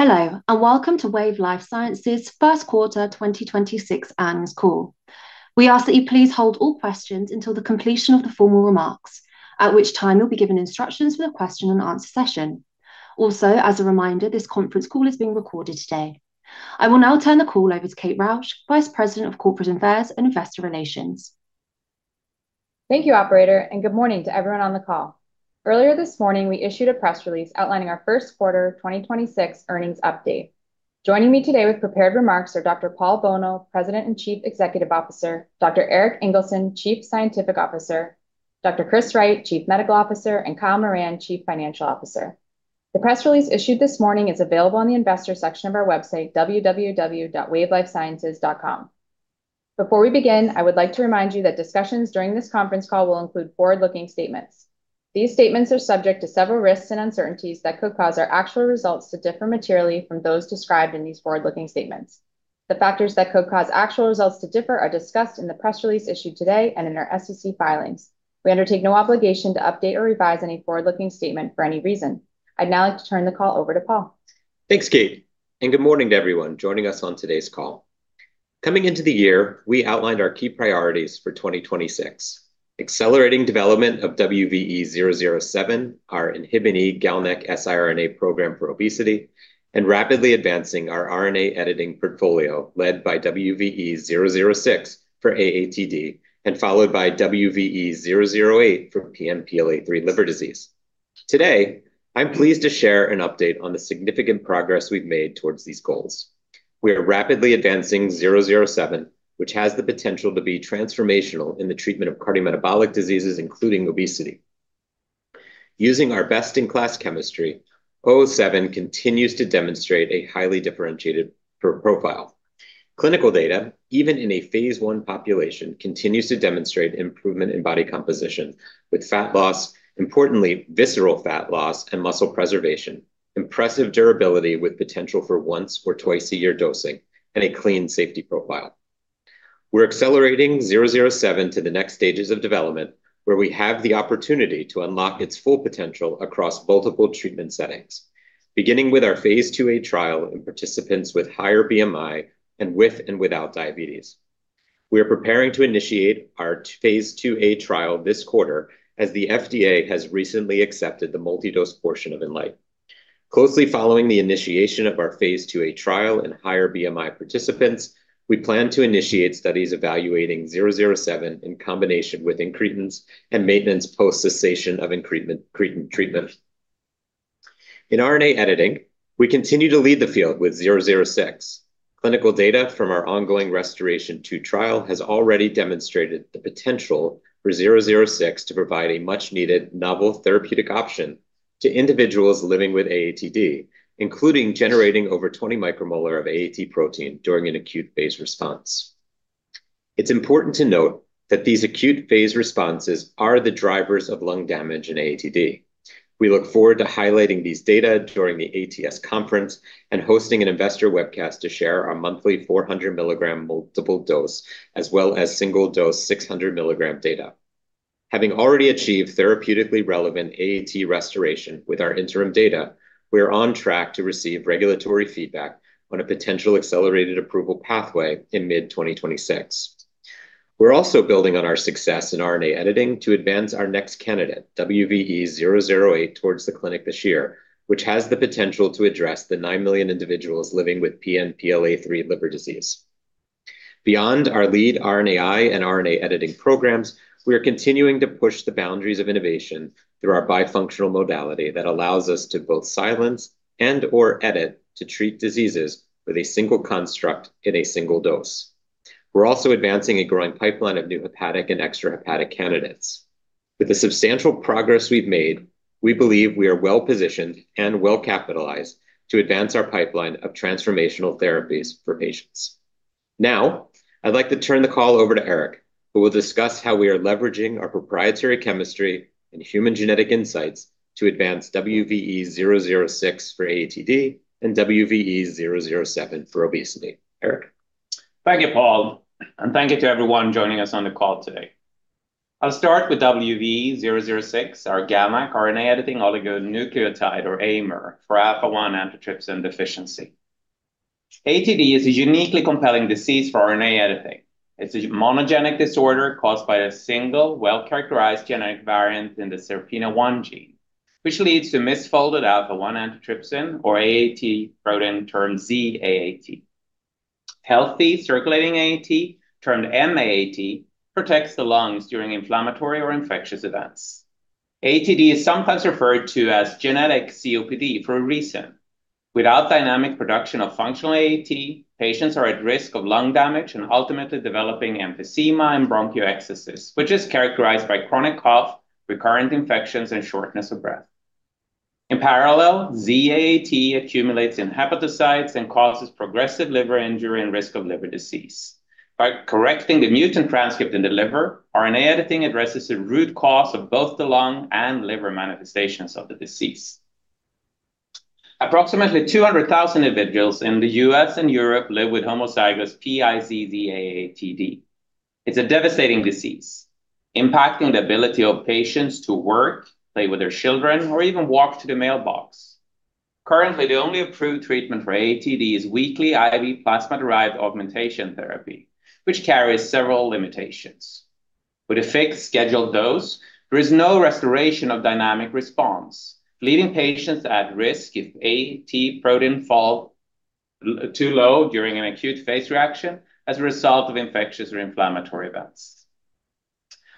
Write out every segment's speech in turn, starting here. Hello, and welcome to Wave Life Sciences first quarter 2026 earnings call. We ask that you please hold all questions until the completion of the formal remarks, at which time you'll be given instructions for the question and answer session. Also, as a reminder, this conference call is being recorded today. I will now turn the call over to Kate Rausch, Vice President of Corporate Affairs and Investor Relations. Thank you, operator, and good morning to everyone on the call. Earlier this morning, we issued a press release outlining our first quarter 2026 earnings update. Joining me today with prepared remarks are Dr. Paul Bolno, President and Chief Executive Officer, Dr. Erik Ingelsson, Chief Scientific Officer, Dr. Christopher Wright, Chief Medical Officer, and Kyle Moran, Chief Financial Officer. The press release issued this morning is available on the investor section of our website www.wavelifesciences.com. Before we begin, I would like to remind you that discussions during this conference call will include forward-looking statements. These statements are subject to several risks and uncertainties that could cause our actual results to differ materially from those described in these forward-looking statements. The factors that could cause actual results to differ are discussed in the press release issued today and in our SEC filings. We undertake no obligation to update or revise any forward-looking statement for any reason. I'd now like to turn the call over to Paul. Thanks, Kate. Good morning to everyone joining us on today's call. Coming into the year, we outlined our key priorities for 2026: accelerating development of WVE-007, our INHBE GalNAc-siRNA program for obesity, and rapidly advancing our RNA editing portfolio led by WVE-006 for AATD and followed by WVE-008 for PNPLA3 liver disease. Today, I'm pleased to share an update on the significant progress we've made towards these goals. We are rapidly advancing 007, which has the potential to be transformational in the treatment of cardiometabolic diseases, including obesity. Using our best-in-class chemistry, 007 continues to demonstrate a highly differentiated profile. Clinical data, even in a phase I population, continues to demonstrate improvement in body composition with fat loss, importantly visceral fat loss, and muscle preservation, impressive durability with potential for once or twice-a-year dosing, and a clean safety profile. We're accelerating 007 to the next stages of development, where we have the opportunity to unlock its full potential across multiple treatment settings, beginning with our phase II-A trial in participants with higher BMI and with and without diabetes. We are preparing to initiate our phase II-A trial this quarter, as the FDA has recently accepted the multi-dose portion of INLIGHT. Closely following the initiation of our phase II-A trial in higher BMI participants, we plan to initiate studies evaluating 007 in combination with incretins and maintenance post-cessation of incretin treatment. In RNA editing, we continue to lead the field with 006. Clinical data from our ongoing RestorAATion-2 trial has already demonstrated the potential for 006 to provide a much-needed novel therapeutic option to individuals living with AATD, including generating over 20 micromolar of AAT protein during an acute phase response. It's important to note that these acute phase responses are the drivers of lung damage in AATD. We look forward to highlighting these data during the ATS conference and hosting an investor webcast to share our monthly 400 milligram multiple dose, as well as single dose 600 milligram data. Having already achieved therapeutically relevant AAT restoration with our interim data, we are on track to receive regulatory feedback on a potential accelerated approval pathway in mid-2026. We're also building on our success in RNA editing to advance our next candidate, WVE-008, towards the clinic this year, which has the potential to address the 9 million individuals living with PNPLA3 liver disease. Beyond our lead RNAi and RNA editing programs, we are continuing to push the boundaries of innovation through our bifunctional modality that allows us to both silence and/or edit to treat diseases with a single construct in a single dose. We're also advancing a growing pipeline of new hepatic and extrahepatic candidates. With the substantial progress we've made, we believe we are well-positioned and well-capitalized to advance our pipeline of transformational therapies for patients. Now, I'd like to turn the call over to Erik, who will discuss how we are leveraging our proprietary chemistry and human genetic insights to advance WVE-006 for AATD and WVE-007 for obesity. Erik? Thank you, Paul, and thank you to everyone joining us on the call today. I'll start with WVE-006, our gamma RNA editing oligonucleotide or AIMer for alpha-1 antitrypsin deficiency. AATD is a uniquely compelling disease for RNA editing. It's a monogenic disorder caused by a single well-characterized genetic variant in the SERPINA1 gene, which leads to misfolded alpha-1 antitrypsin, or AAT, protein turned Z-AAT. Healthy circulating AAT, termed M-AAT, protects the lungs during inflammatory or infectious events. AATD is sometimes referred to as genetic COPD for a reason. Without dynamic production of functional AAT, patients are at risk of lung damage and ultimately developing emphysema and bronchiectasis, which is characterized by chronic cough, recurrent infections, and shortness of breath. In parallel, Z-AAT accumulates in hepatocytes and causes progressive liver injury and risk of liver disease. By correcting the mutant transcript in the liver, RNA editing addresses the root cause of both the lung and liver manifestations of the disease. Approximately 200,000 individuals in the U.S., and Europe live with homozygous PiZZ AATD. It's a devastating disease, impacting the ability of patients to work, play with their children, or even walk to the mailbox. Currently, the only approved treatment for AATD is weekly IV plasma-derived augmentation therapy, which carries several limitations. With a fixed scheduled dose, there is no restoration of dynamic response, leaving patients at risk if AAT protein fall too low during an acute phase reaction as a result of infectious or inflammatory events.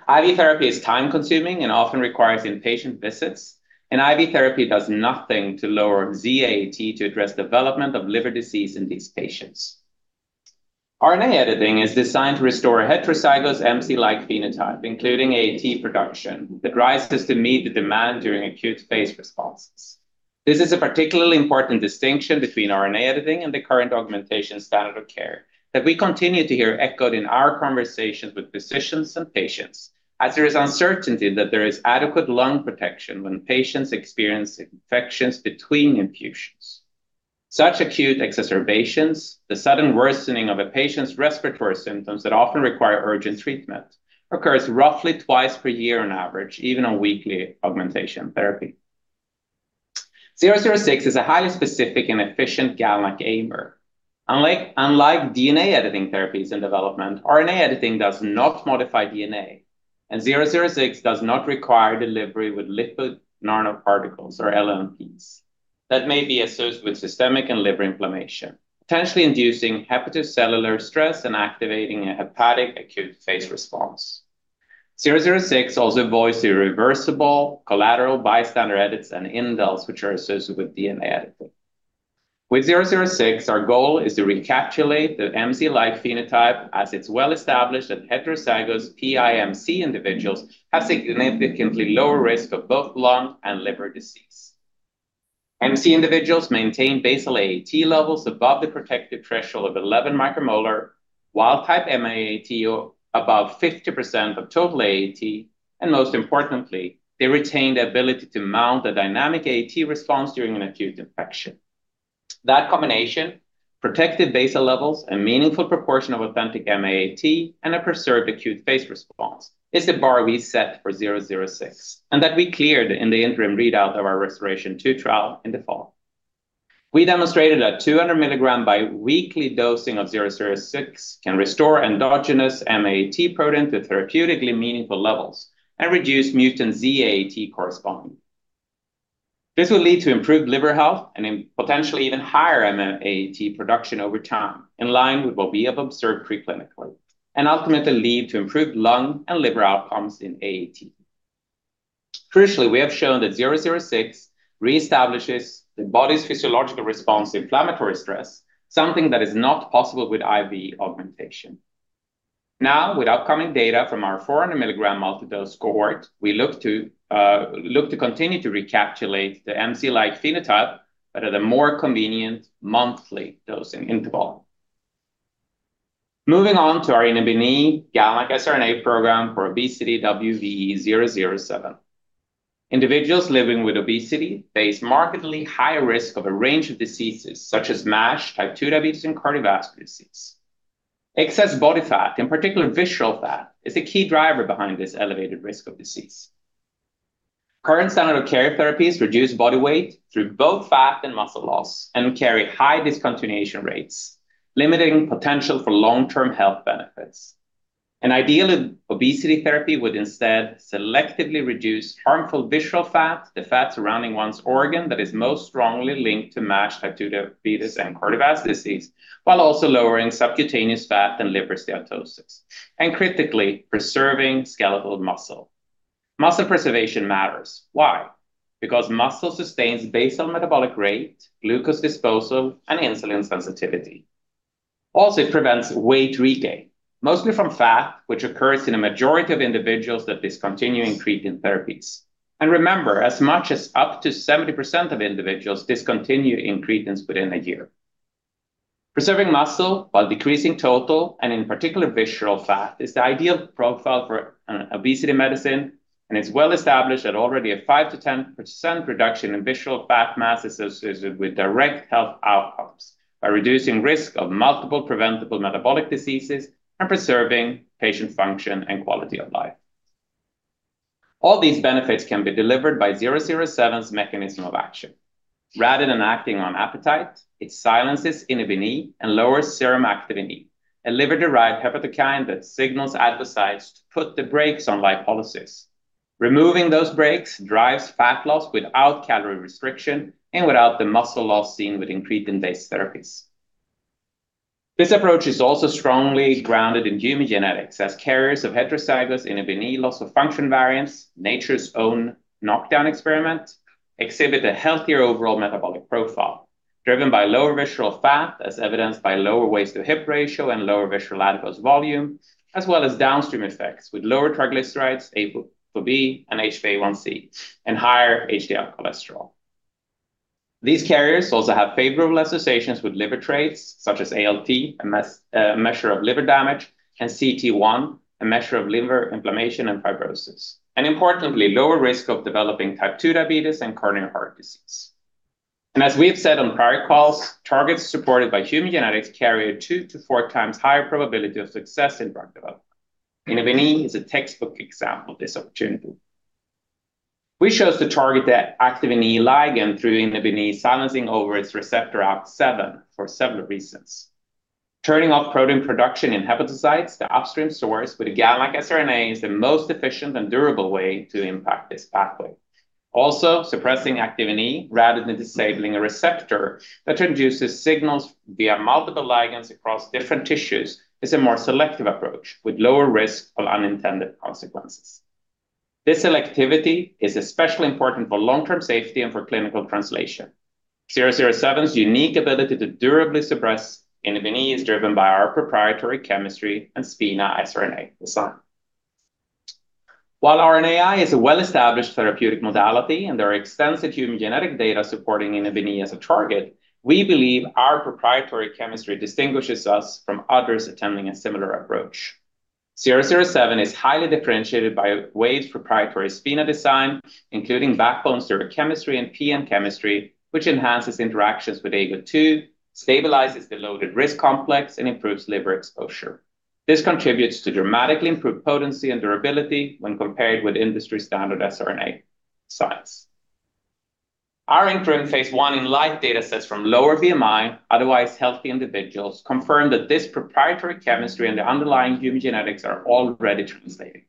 IV therapy is time-consuming and often requires inpatient visits. IV therapy does nothing to lower Z-AAT to address development of liver disease in these patients. RNA editing is designed to restore heterozygous M-AAT-like phenotype, including AAT production that rises to meet the demand during acute phase responses. This is a particularly important distinction between RNA editing and the current augmentation standard of care that we continue to hear echoed in our conversations with physicians and patients, as there is uncertainty that there is adequate lung protection when patients experience infections between infusions. Such acute exacerbations, the sudden worsening of a patient's respiratory symptoms that often require urgent treatment, occurs roughly twice per year on average, even on weekly augmentation therapy. WVE-006 is a highly specific and efficient GalNAc-ADAR. Unlike DNA editing therapies in development, RNA editing does not modify DNA, and WVE-006 does not require delivery with lipid nanoparticles or LNPs that may be associated with systemic and liver inflammation, potentially inducing hepatocellular stress and activating a hepatic acute phase response. WVE-006 also avoids the irreversible collateral bystander edits and indels which are associated with DNA editing. With WVE-006, our goal is to recapitulate the MZ-like phenotype as it's well established that heterozygous PiMZ individuals have significantly lower risk of both lung and liver disease. MC individuals maintain basal AAT levels above the protective threshold of 11 micromolar, while type M-AAT above 50% of total AAT, and most importantly, they retain the ability to mount a dynamic AAT response during an acute infection. That combination, protected basal levels, a meaningful proportion of authentic M-AAT, and a preserved acute phase response, is the bar we set for WVE-006, and that we cleared in the interim readout of our RestorAATion-2 trial in the fall. We demonstrated that 200 milligram bi-weekly dosing of WVE-006 can restore endogenous M-AAT protein to therapeutically meaningful levels and reduce mutant Z-AAT correspondingly. This will lead to improved liver health and potentially even higher M-AAT production over time, in line with what we have observed pre-clinically, and ultimately lead to improved lung and liver outcomes in AAT. Crucially, we have shown that WVE-006 reestablishes the body's physiological response to inflammatory stress, something that is not possible with IV augmentation. With upcoming data from our 400 milligram multi-dose cohort, we look to continue to recapitulate the MZ-like phenotype but at a more convenient monthly dosing interval. Moving on to our inhibin GalNAc RNA program for obesity, WVE-007. Individuals living with obesity face markedly higher risk of a range of diseases such as MASH, type 2 diabetes, and cardiovascular disease. Excess body fat, in particular visceral fat, is a key driver behind this elevated risk of disease. Current standard of care therapies reduce body weight through both fat and muscle loss and carry high discontinuation rates, limiting potential for long-term health benefits. An ideal obesity therapy would instead selectively reduce harmful visceral fat, the fat surrounding one's organ that is most strongly linked to MASH, type 2 diabetes, and cardiovascular disease, while also lowering subcutaneous fat and liver steatosis, and critically preserving skeletal muscle. Muscle preservation matters. Why? Because muscle sustains basal metabolic rate, glucose disposal, and insulin sensitivity. It prevents weight regain, mostly from fat, which occurs in a majority of individuals that discontinue incretin therapies. Remember, as much as up to 70% of individuals discontinue incretins within a year. Preserving muscle while decreasing total, and in particular visceral fat, is the ideal profile for an obesity medicine, and it's well established that already a 5%-10% reduction in visceral fat mass associated with direct health outcomes by reducing risk of multiple preventable metabolic diseases and preserving patient function and quality of life. All these benefits can be delivered by WVE-007's mechanism of action. Rather than acting on appetite, it silences inhibin and lowers serum Activin E, a liver-derived hepatokine that signals adipocytes to put the brakes on lipolysis. Removing those brakes drives fat loss without calorie restriction and without the muscle loss seen with incretin-based therapies. This approach is also strongly grounded in human genetics, as carriers of heterozygous INHBE loss of function variants, nature's own knockdown experiment, exhibit a healthier overall metabolic profile, driven by lower visceral fat as evidenced by lower waist-to-hip ratio and lower visceral adipose volume, as well as downstream effects with lower triglycerides, ApoB, and HbA1c, and higher HDL cholesterol. These carriers also have favorable associations with liver traits, such as ALT, a measure of liver damage, and cT1, a measure of liver inflammation and fibrosis, and importantly, lower risk of developing type 2 diabetes and coronary heart disease. As we've said on prior calls, targets supported by human genetics carry a 2 to 4 times higher probability of success in drug development. INHBE is a textbook example of this opportunity. We chose to target the Activin E ligand through INHBE silencing over its receptor ACVR1C for several reasons. Turning off protein production in hepatocytes, the upstream source with a guide like siRNA is the most efficient and durable way to impact this pathway. Suppressing Activin E rather than disabling a receptor that induces signals via multiple ligands across different tissues is a more selective approach with lower risk of unintended consequences. This selectivity is especially important for long-term safety and for clinical translation. WVE-007's unique ability to durably suppress INHBE is driven by our proprietary chemistry and SpiNA siRNA design. While RNAi is a well-established therapeutic modality and there are extensive human genetic data supporting INHBE as a target, we believe our proprietary chemistry distinguishes us from others attempting a similar approach. WVE-007 is highly differentiated by Wave's proprietary SpiNA design, including backbone stereochemistry and PN chemistry, which enhances interactions with Ago2, stabilizes the loaded RISC complex, and improves liver exposure. This contributes to dramatically improved potency and durability when compared with industry-standard siRNA science. Our interim phase I INLIGHT data sets from lower BMI, otherwise healthy individuals, confirm that this proprietary chemistry and the underlying human genetics are already translating.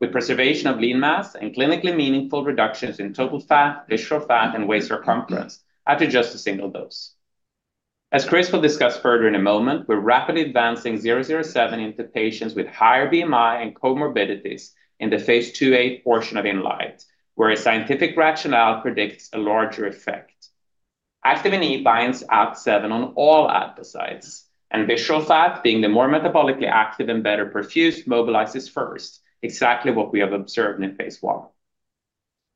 With preservation of lean mass and clinically meaningful reductions in total fat, visceral fat, and waist circumference after just a single dose. As Chris will discuss further in a moment, we're rapidly advancing WVE-007 into patients with higher BMI and comorbidities in the phase II-A portion of INLIGHT, where a scientific rationale predicts a larger effect. Activin E binds ACVR1C on all adipocytes, and visceral fat, being the more metabolically active and better perfused, mobilizes first, exactly what we have observed in phase I.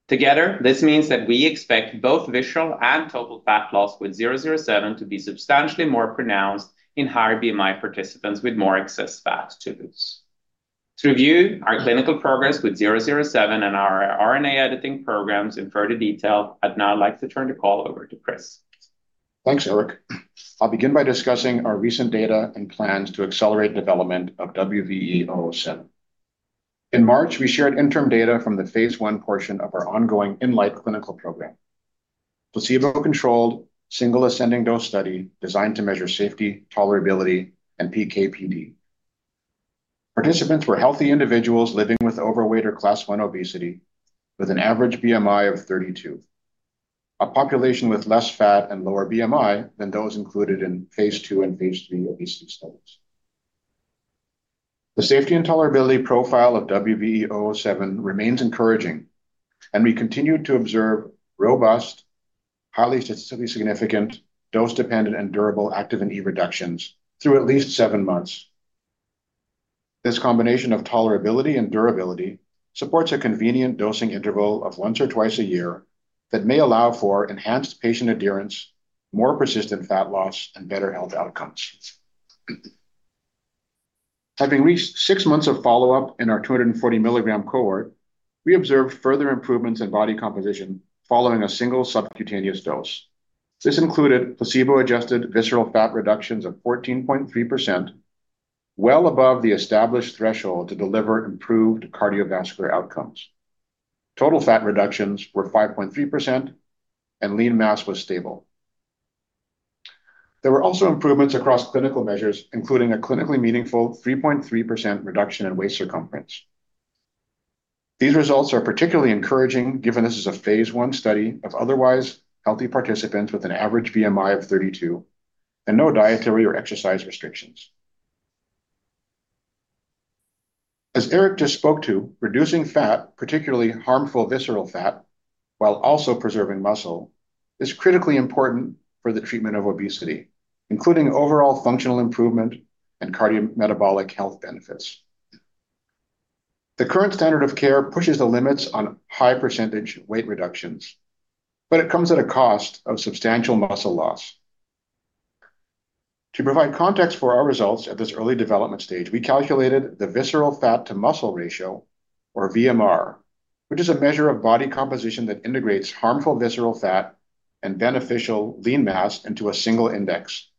Together, this means that we expect both visceral and total fat loss with WVE-007 to be substantially more pronounced in higher BMI participants with more excess fat to lose. To review our clinical progress with WVE-007 and our RNA editing programs in further detail, I'd now like to turn the call over to Chris. Thanks, Erik. I'll begin by discussing our recent data and plans to accelerate development of WVE-007. In March, we shared interim data from the phase I portion of our ongoing INLIGHT clinical program, a placebo-controlled, single ascending dose study designed to measure safety, tolerability, and PK/PD. Participants were healthy individuals living with overweight or class 1 obesity, with an average BMI of 32. A population with less fat and lower BMI than those included in phase II and phase III obesity studies. The safety and tolerability profile of WVE-007 remains encouraging, and we continued to observe robust, highly statistically significant, dose-dependent, and durable Activin E reductions through at least 7 months. This combination of tolerability and durability supports a convenient dosing interval of once or twice a year that may allow for enhanced patient adherence, more persistent fat loss, and better health outcomes. Having reached six months of follow-up in our 240 mg cohort, we observed further improvements in body composition following a single subcutaneous dose. This included placebo-adjusted visceral fat reductions of 14.3%, well above the established threshold to deliver improved cardiovascular outcomes. Total fat reductions were 5.3%, and lean mass was stable. There were also improvements across clinical measures, including a clinically meaningful 3.3% reduction in waist circumference. These results are particularly encouraging, given this is a phase I study of otherwise healthy participants with an average BMI of 32 and no dietary or exercise restrictions. As Erik just spoke to, reducing fat, particularly harmful visceral fat, while also preserving muscle, is critically important for the treatment of obesity, including overall functional improvement and cardiometabolic health benefits. The current standard of care pushes the limits on high-percentage weight reductions. It comes at a cost of substantial muscle loss. To provide context for our results at this early development stage, we calculated the visceral fat to muscle ratio or VMR, which is a measure of body composition that integrates harmful visceral fat and beneficial lean mass into a single index.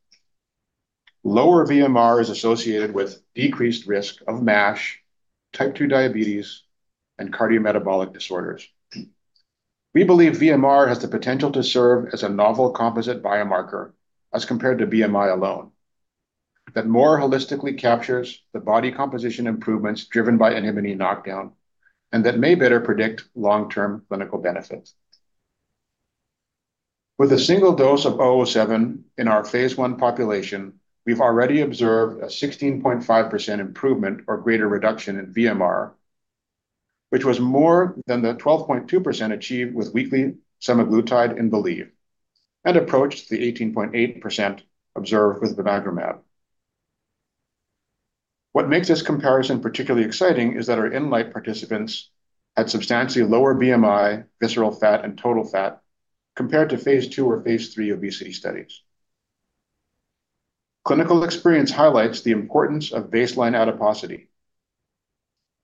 Lower VMR is associated with decreased risk of MASH, type 2 diabetes, and cardiometabolic disorders. We believe VMR has the potential to serve as a novel composite biomarker as compared to BMI alone, that more holistically captures the body composition improvements driven by INHBE knockdown, and that may better predict long-term clinical benefits. With a single dose of WVE-007 in our phase I population, we've already observed a 16.5% improvement or greater reduction in VMR, which was more than the 12.2% achieved with weekly semaglutide in BELIEVE and approached the 18.8% observed with bimagrumab. What makes this comparison particularly exciting is that our INLIGHT participants had substantially lower BMI, visceral fat, and total fat compared to phase II or phase III obesity studies. Clinical experience highlights the importance of baseline adiposity.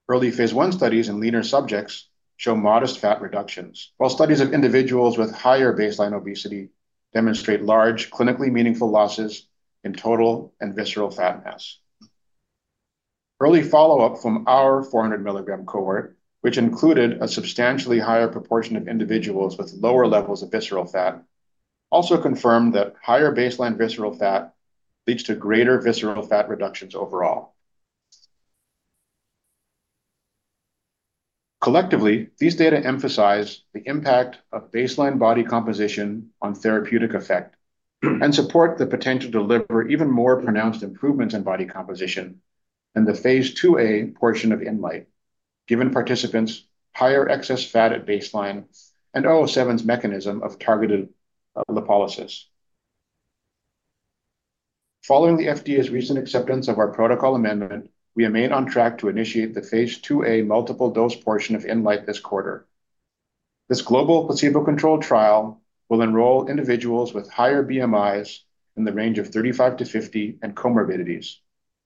Early phase I studies in leaner subjects show modest fat reductions, while studies of individuals with higher baseline obesity demonstrate large, clinically meaningful losses in total and visceral fat mass. Early follow-up from our 400 milligram cohort, which included a substantially higher proportion of individuals with lower levels of visceral fat, also confirmed that higher baseline visceral fat leads to greater visceral fat reductions overall. Collectively, these data emphasize the impact of baseline body composition on therapeutic effect and support the potential to deliver even more pronounced improvements in body composition than the phase II-A portion of INLIGHT, given participants higher excess fat at baseline and WVE-007's mechanism of targeted lipolysis. Following the FDA's recent acceptance of our protocol amendment, we remain on track to initiate the phase II-A multiple dose portion of INLIGHT this quarter. This global placebo-controlled trial will enroll individuals with higher BMIs in the range of 35 to 50 and comorbidities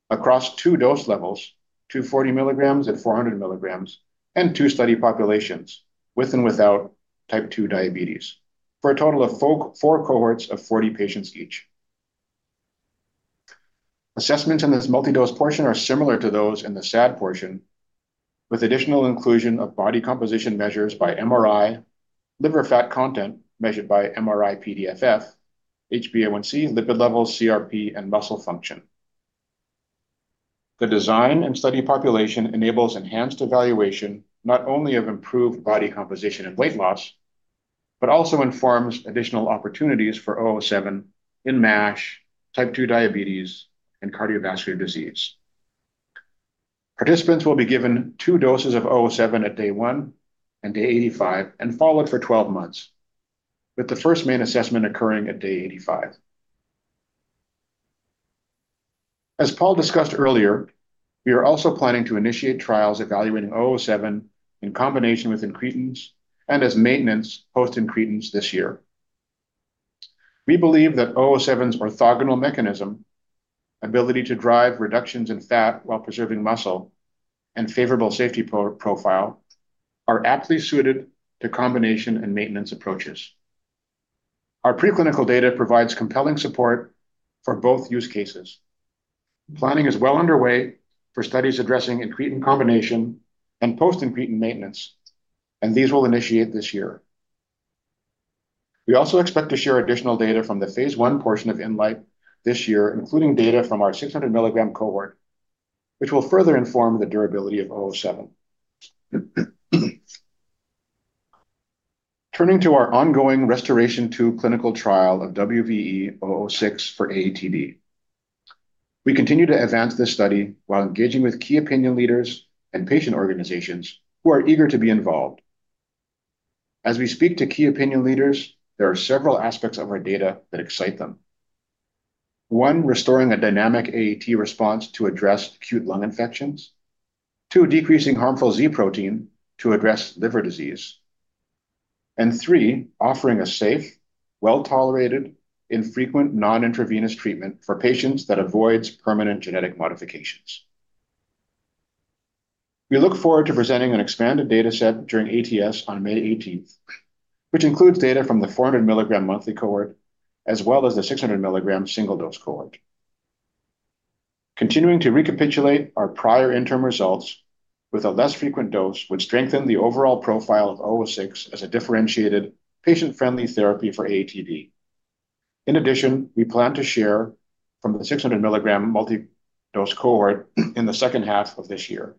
across 2 dose levels, 240 milligrams and 400 milligrams, and 2 study populations with and without type 2 diabetes, for a total of 4 cohorts of 40 patients each. Assessments in this multi-dose portion are similar to those in the SAD portion, with additional inclusion of body composition measures by MRI, liver fat content measured by MRI-PDFF, HbA1c, lipid levels, CRP, and muscle function. The design and study population enables enhanced evaluation, not only of improved body composition and weight loss, but also informs additional opportunities for WVE-007 in MASH, type 2 diabetes, and cardiovascular disease. Participants will be given 2 doses of WVE-007 at day 1 and day 85 and followed for 12 months, with the first main assessment occurring at day 85. As Paul discussed earlier, we are also planning to initiate trials evaluating WVE-007 in combination with incretins and as maintenance post-incretins this year. We believe that WVE-007's orthogonal mechanism, ability to drive reductions in fat while preserving muscle, and favorable safety profile are aptly suited to combination and maintenance approaches. Our preclinical data provides compelling support for both use cases. Planning is well underway for studies addressing incretin combination and post-incretin maintenance, and these will initiate this year. We also expect to share additional data from the phase I portion of INLIGHT this year, including data from our 600 milligram cohort, which will further inform the durability of WVE-007. Turning to our ongoing RestorAATion-2 clinical trial of WVE-006 for AATD. We continue to advance this study while engaging with key opinion leaders and patient organizations who are eager to be involved. As we speak to key opinion leaders, there are several aspects of our data that excite them. 1, restoring a dynamic AAT response to address acute lung infections. 2, decreasing harmful Z-AAT to address liver disease. 3, offering a safe, well-tolerated, infrequent non-intravenous treatment for patients that avoids permanent genetic modifications. We look forward to presenting an expanded dataset during ATS on May 18th, which includes data from the 400 milligram monthly cohort as well as the 600 milligram single-dose cohort. Continuing to recapitulate our prior interim results with a less frequent dose would strengthen the overall profile of WVE-006 as a differentiated patient-friendly therapy for AATD. In addition, we plan to share from the 600 milligram multi-dose cohort in the second half of this year.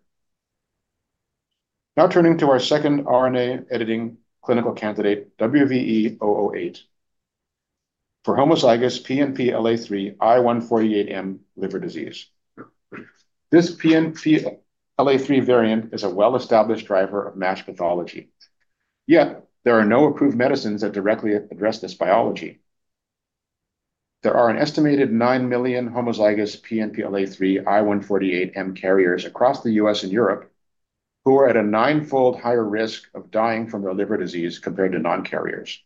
Turning to our second RNA editing clinical candidate, WVE-008 for homozygous PNPLA3 I148M liver disease. This PNPLA3 variant is a well-established driver of MASH pathology, yet there are no approved medicines that directly address this biology. There are an estimated 9 million homozygous PNPLA3 I148M carriers across the U.S., and Europe, who are at a 9-fold higher risk of dying from their liver disease compared to non-carriers.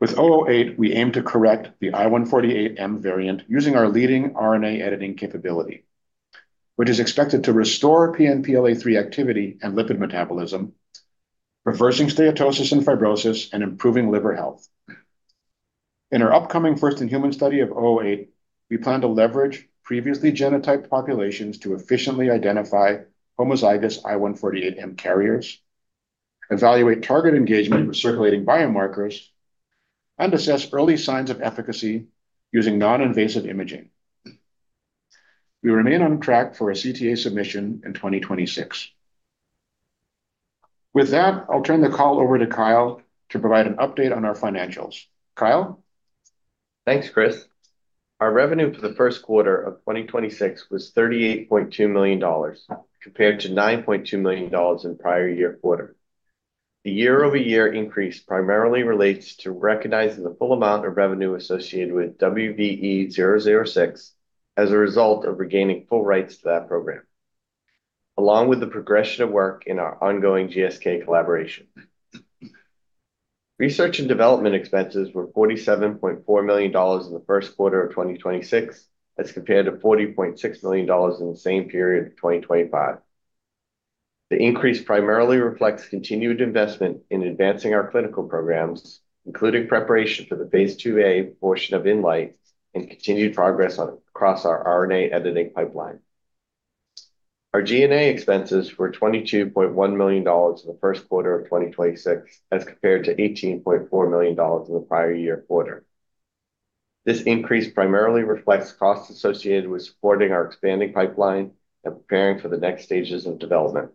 With WVE-008, we aim to correct the I148M variant using our leading RNA editing capability, which is expected to restore PNPLA3 activity and lipid metabolism, reversing steatosis and fibrosis, and improving liver health. In our upcoming first-in-human study of WVE-008, we plan to leverage previously genotyped populations to efficiently identify homozygous I148M carriers, evaluate target engagement with circulating biomarkers, and assess early signs of efficacy using non-invasive imaging. We remain on track for a CTA submission in 2026. With that, I'll turn the call over to Kyle to provide an update on our financials. Kyle? Thanks, Chris. Our revenue for the first quarter of 2026 was $38.2 million compared to $9.2 million in prior-year quarter. The year-over-year increase primarily relates to recognizing the full amount of revenue associated with WVE-006 as a result of regaining full rights to that program. Along with the progression of work in our ongoing GSK collaboration. Research and development expenses were $47.4 million in the first quarter of 2026, as compared to $40.6 million in the same period of 2025. The increase primarily reflects continued investment in advancing our clinical programs, including preparation for the phase IIa portion of INLIGHT and continued progress across our RNA editing pipeline. Our G&A expenses were $22.1 million in the first quarter of 2026, as compared to $18.4 million in the prior year quarter. This increase primarily reflects costs associated with supporting our expanding pipeline and preparing for the next stages of development.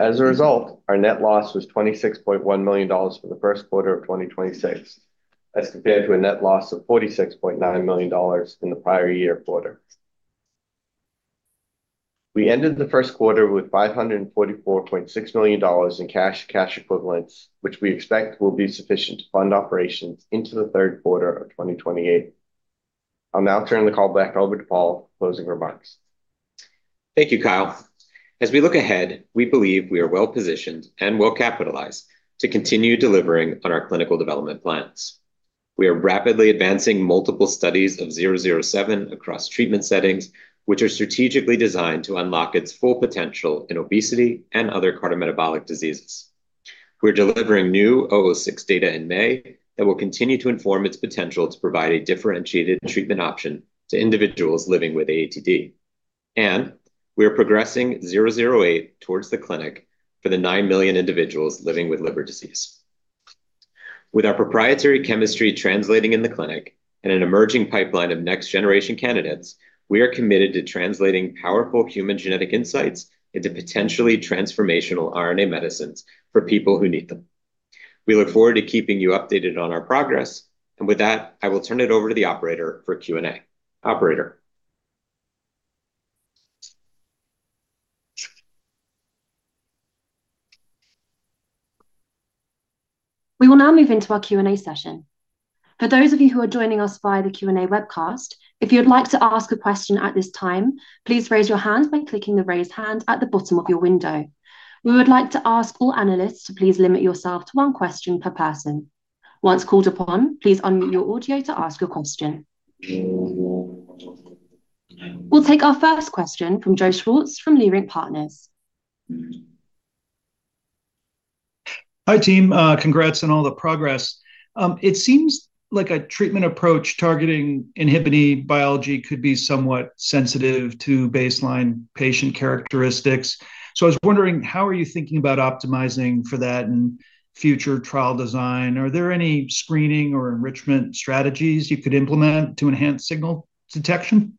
As a result, our net loss was $26.1 million for the first quarter of 2026, as compared to a net loss of $46.9 million in the prior year quarter. We ended the first quarter with $544.6 million in cash equivalents, which we expect will be sufficient to fund operations into the third quarter of 2028. I'll now turn the call back over to Paul for closing remarks. Thank you, Kyle. As we look ahead, we believe we are well-positioned and well-capitalized to continue delivering on our clinical development plans. We are rapidly advancing multiple studies of WVE-007 across treatment settings, which are strategically designed to unlock its full potential in obesity and other cardiometabolic diseases. We're delivering new WVE-006 data in May that will continue to inform its potential to provide a differentiated treatment option to individuals living with AATD, and we are progressing WVE-008 towards the clinic for the 9 million individuals living with liver disease. With our proprietary chemistry translating in the clinic and an emerging pipeline of next-generation candidates, we are committed to translating powerful human genetic insights into potentially transformational RNA medicines for people who need them. We look forward to keeping you updated on our progress. With that, I will turn it over to the operator for Q&A. Operator. We will now move into our Q&A session. For those of you who are joining us via the Q&A webcast, if you would like to ask a question at this time, please raise your hand by clicking the Raise Hand at the bottom of your window. We would like to ask all analysts to please limit yourself to one question per person. Once called upon, please unmute your audio to ask your question. We'll take our first question from Joseph Schwartz from Leerink Partners. Hi, team. Congrats on all the progress. It seems like a treatment approach targeting INHBE biology could be somewhat sensitive to baseline patient characteristics. I was wondering, how are you thinking about optimizing for that in future trial design? Are there any screening or enrichment strategies you could implement to enhance signal detection?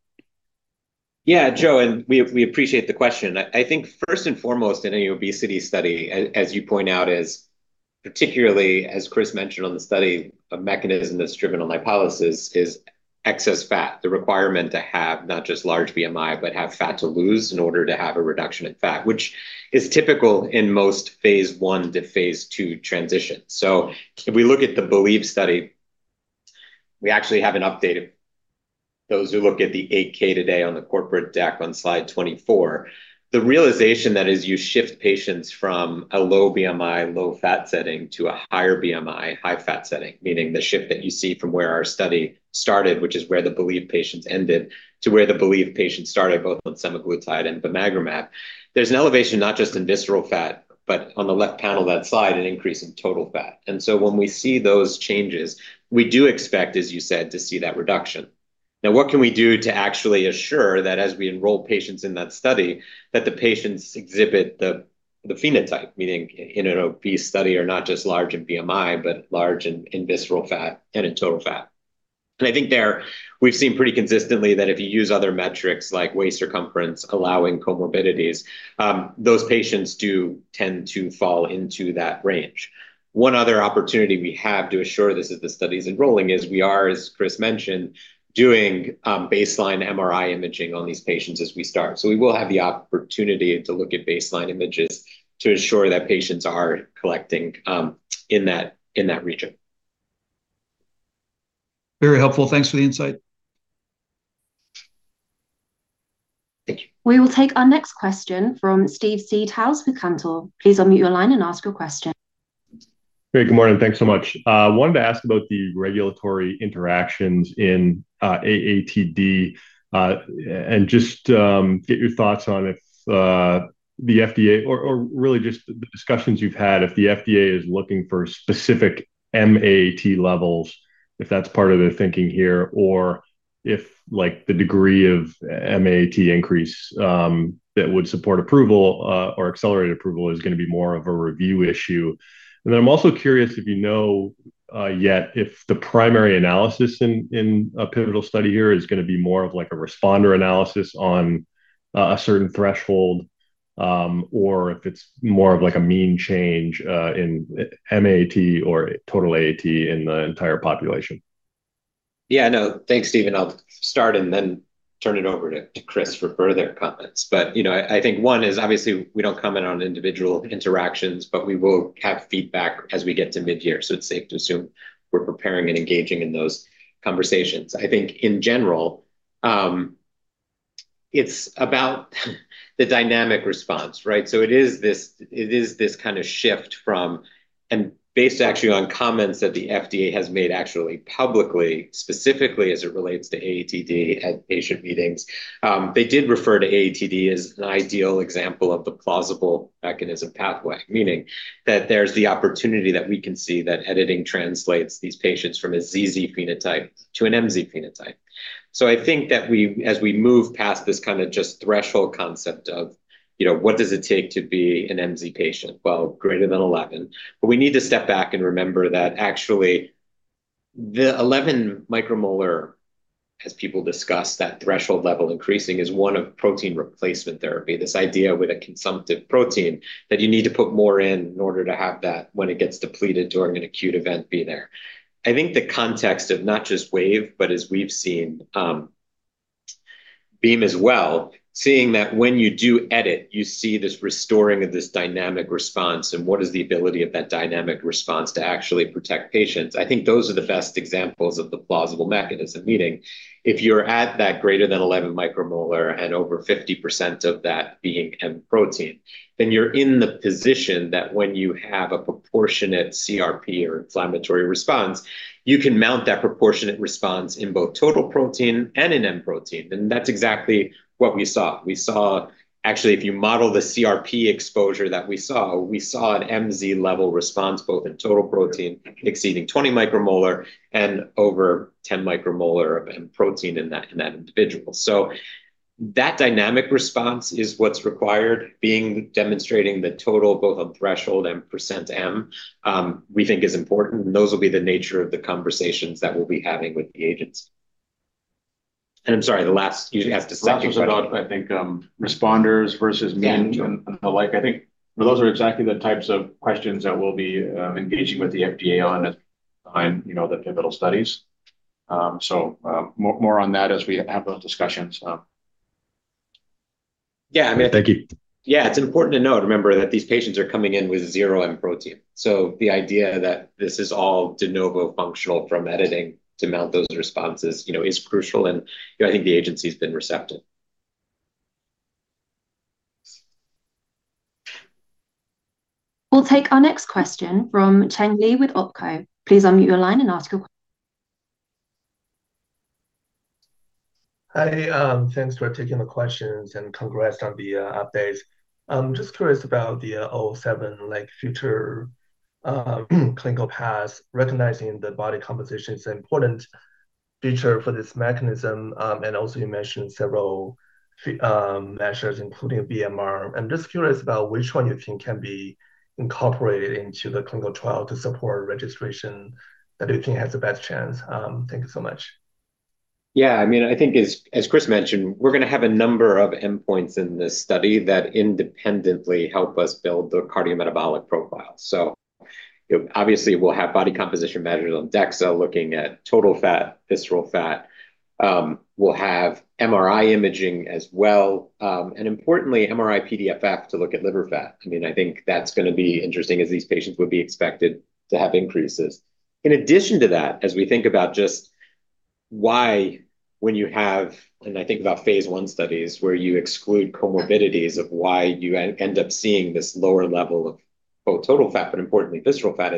Yeah, Joe, we appreciate the question. I think first and foremost in any obesity study, as you point out, is particularly, as Chris mentioned on the study, a mechanism that's driven on lipolysis is excess fat, the requirement to have not just large BMI, but have fat to lose in order to have a reduction in fat, which is typical in most phase I to phase II transitions. If we look at the BELIEVE study, we actually have an update. Those who look at the 8-K today on the corporate deck on slide 24, the realization that as you shift patients from a low BMI, low fat setting to a higher BMI, high fat setting, meaning the shift that you see from where our study started, which is where the BELIEVE patients ended, to where the BELIEVE patients started, both on semaglutide and bimagrumab, there's an elevation not just in visceral fat, but on the left panel of that slide, an increase in total fat. When we see those changes, we do expect, as you said, to see that reduction. Now, what can we do to actually assure that as we enroll patients in that study, that the patients exhibit the phenotype, meaning in an obese study are not just large in BMI, but large in visceral fat and in total fat. I think there we've seen pretty consistently that if you use other metrics like waist circumference, allowing comorbidities, those patients do tend to fall into that range. One other opportunity we have to assure this as the study's enrolling is we are, as Chris mentioned, doing baseline MRI imaging on these patients as we start. We will have the opportunity to look at baseline images to ensure that patients are collecting in that, in that region. Very helpful. Thanks for the insight. Thank you. We will take our next question from Steven Seedhouse with Cantor Fitzgerald. Please unmute your line and ask your question. Great. Good morning. Thanks so much. Wanted to ask about the regulatory interactions in AATD and just get your thoughts on if the FDA or really just the discussions you've had, if the FDA is looking for specific MAAT levels, if that's part of their thinking here, or if like the degree of MAAT increase that would support approval or accelerated approval is gonna be more of a review issue. Then I'm also curious if you know yet if the primary analysis in a pivotal study here is gonna be more of like a responder analysis on a certain threshold or if it's more of like a mean change in MAAT or total AAT in the entire population. Yeah, no, thanks, Steven. I'll start and then turn it over to Chris for further comments. You know, I think one is obviously we don't comment on individual interactions, but we will have feedback as we get to mid-year, so it's safe to assume we're preparing and engaging in those conversations. I think in general, it's about the dynamic response, right? It is this kind of shift from, based actually on comments that the FDA has made actually publicly, specifically as it relates to AATD at patient meetings, they did refer to AATD as an ideal example of the plausible mechanism pathway. Meaning, that there's the opportunity that we can see that editing translates these patients from a ZZ phenotype to an MZ phenotype. I think that as we move past this kind of just threshold concept of, you know, what does it take to be an MZ patient? Greater than 11. We need to step back and remember that actually the 11 micromolar, as people discuss, that threshold level increasing is one of protein replacement therapy. This idea with a consumptive protein that you need to put more in in order to have that when it gets depleted during an acute event be there. The context of not just WAVE, but as we've seen, BEAM as well, seeing that when you do edit, you see this restoring of this dynamic response and what is the ability of that dynamic response to actually protect patients. I think those are the best examples of the plausible mechanism, meaning if you're at that greater than 11 micromolar and over 50% of that being M protein, then you're in the position that when you have a proportionate CRP or inflammatory response, you can mount that proportionate response in both total protein and in M protein. That's exactly what we saw. We saw. Actually, if you model the CRP exposure that we saw, we saw an MZ level response both in total protein exceeding 20 micromolar and over 10 micromolar of M protein in that, in that individual. That dynamic response is what's required, being demonstrating the total both on threshold and percent M, we think is important, and those will be the nature of the conversations that we'll be having with the agency. I'm sorry, the last, you asked a second question. That was about, I think, responders versus. Yeah And the like. I think those are exactly the types of questions that we'll be engaging with the FDA on behind, you know, the pivotal studies. More, more on that as we have those discussions. Yeah, I mean- Thank you. Yeah, it's important to note, remember, that these patients are coming in with 0 M protein. The idea that this is all de novo functional from editing to mount those responses, you know, is crucial and, you know, I think the agency's been receptive. We'll take our next question from Gena Wang with Barclays. Please unmute your line and ask your. Hi, thanks for taking the questions and congrats on the updates. I'm just curious about the WVE-007, like, future clinical path, recognizing the body composition is an important feature for this mechanism. Also you mentioned several measures, including BMR. I'm just curious about which one you think can be incorporated into the clinical trial to support registration that you think has the best chance. Thank you so much. I mean, I think as Chris mentioned, we're gonna have a number of endpoints in this study that independently help us build the cardiometabolic profile. Obviously we'll have body composition measures on DEXA, looking at total fat, visceral fat. We'll have MRI imaging as well, and importantly, MRI-PDFF to look at liver fat. I mean, I think that's gonna be interesting as these patients would be expected to have increases. In addition to that, as we think about just why I think about phase I studies, where you exclude comorbidities of why you end up seeing this lower level of both total fat, but importantly visceral fat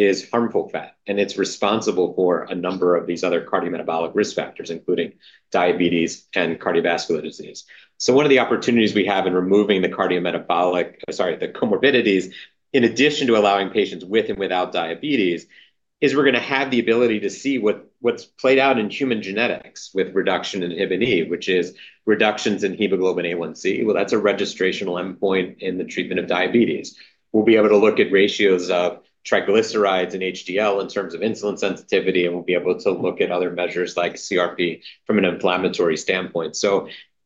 is harmful fat, and it's responsible for a number of these other cardiometabolic risk factors, including diabetes and cardiovascular disease. One of the opportunities we have in removing the cardiometabolic, sorry, the comorbidities, in addition to allowing patients with and without diabetes, is we're gonna have the ability to see what's played out in human genetics with reduction in INHBE, which is reductions in HbA1c. Well, that's a registrational endpoint in the treatment of diabetes. We'll be able to look at ratios of triglycerides and HDL in terms of insulin sensitivity, and we'll be able to look at other measures like CRP from an inflammatory standpoint.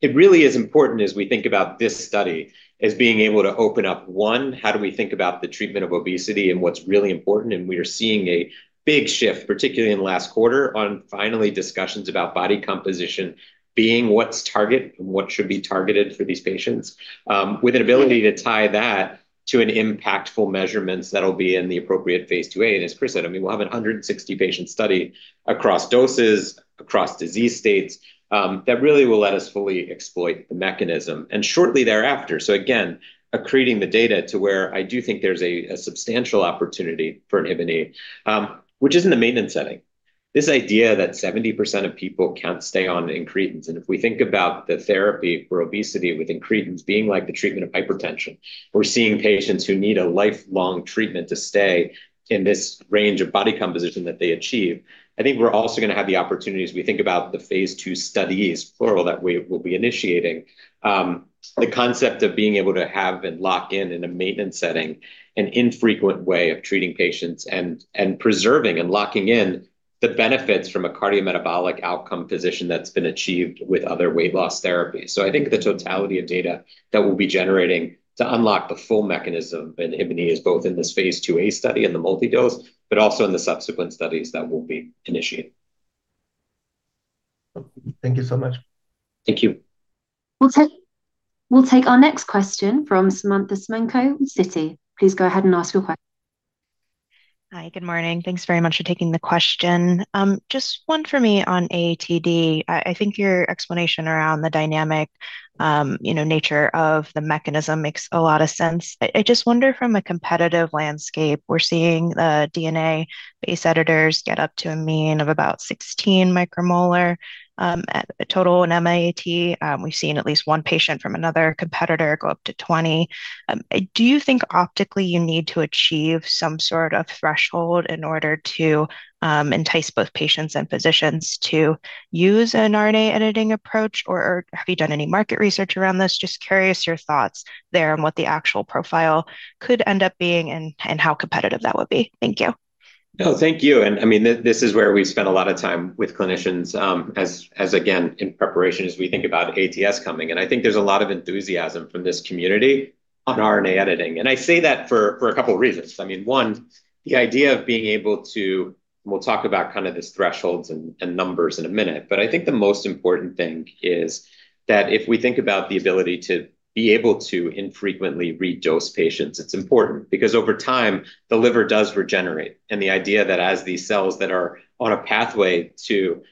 It really is important as we think about this study as being able to open up, one, how do we think about the treatment of obesity and what's really important, and we are seeing a big shift, particularly in the last quarter, on finally discussions about body composition being what should be targeted for these patients, with an ability to tie that to an impactful measurements that'll be in the appropriate phase II-A. As Chris said, I mean, we'll have a 160 patient study across doses, across disease states, that really will let us fully exploit the mechanism and shortly thereafter. Again, accreting the data to where I do think there's a substantial opportunity for IBAndE, which is in the maintenance setting. This idea that 70% of people can't stay on incretins. If we think about the therapy for obesity with incretins being like the treatment of hypertension, we're seeing patients who need a lifelong treatment to stay in this range of body composition that they achieve. I think we're also gonna have the opportunity as we think about the phase II studies, plural, that we will be initiating, the concept of being able to have and lock in a maintenance setting, an infrequent way of treating patients and preserving and locking in the benefits from a cardiometabolic outcome position that's been achieved with other weight loss therapies. I think the totality of data that we'll be generating to unlock the full mechanism in INHBE is both in this phase II-A study and the multi-dose, also in the subsequent studies that we'll be initiating. Thank you so much. Thank you. We'll take our next question from Samantha Semmelman with Citi. Please go ahead and ask your. Hi. Good morning. Thanks very much for taking the question. Just 1 for me on AATD. I think your explanation around the dynamic, you know, nature of the mechanism makes a lot of sense. I just wonder from a competitive landscape, we're seeing the DNA base editors get up to a mean of about 16 micromolar, at total in M-AAT. We've seen at least 1 patient from another competitor go up to 20. Do you think optically you need to achieve some sort of threshold in order to entice both patients and physicians to use an RNA editing approach, or have you done any market research around this? Just curious your thoughts there and what the actual profile could end up being and how competitive that would be. Thank you. No, thank you. I mean, this is where we've spent a lot of time with clinicians, as again, in preparation as we think about ATS coming. I think there's a lot of enthusiasm from this community on RNA editing. I say that for a couple reasons. I mean, We'll talk about kind of these thresholds and numbers in a minute, but I think the most important thing is that if we think about the ability to be able to infrequently redose patients, it's important because over time, the liver does regenerate. The idea that as these cells that are on a pathway to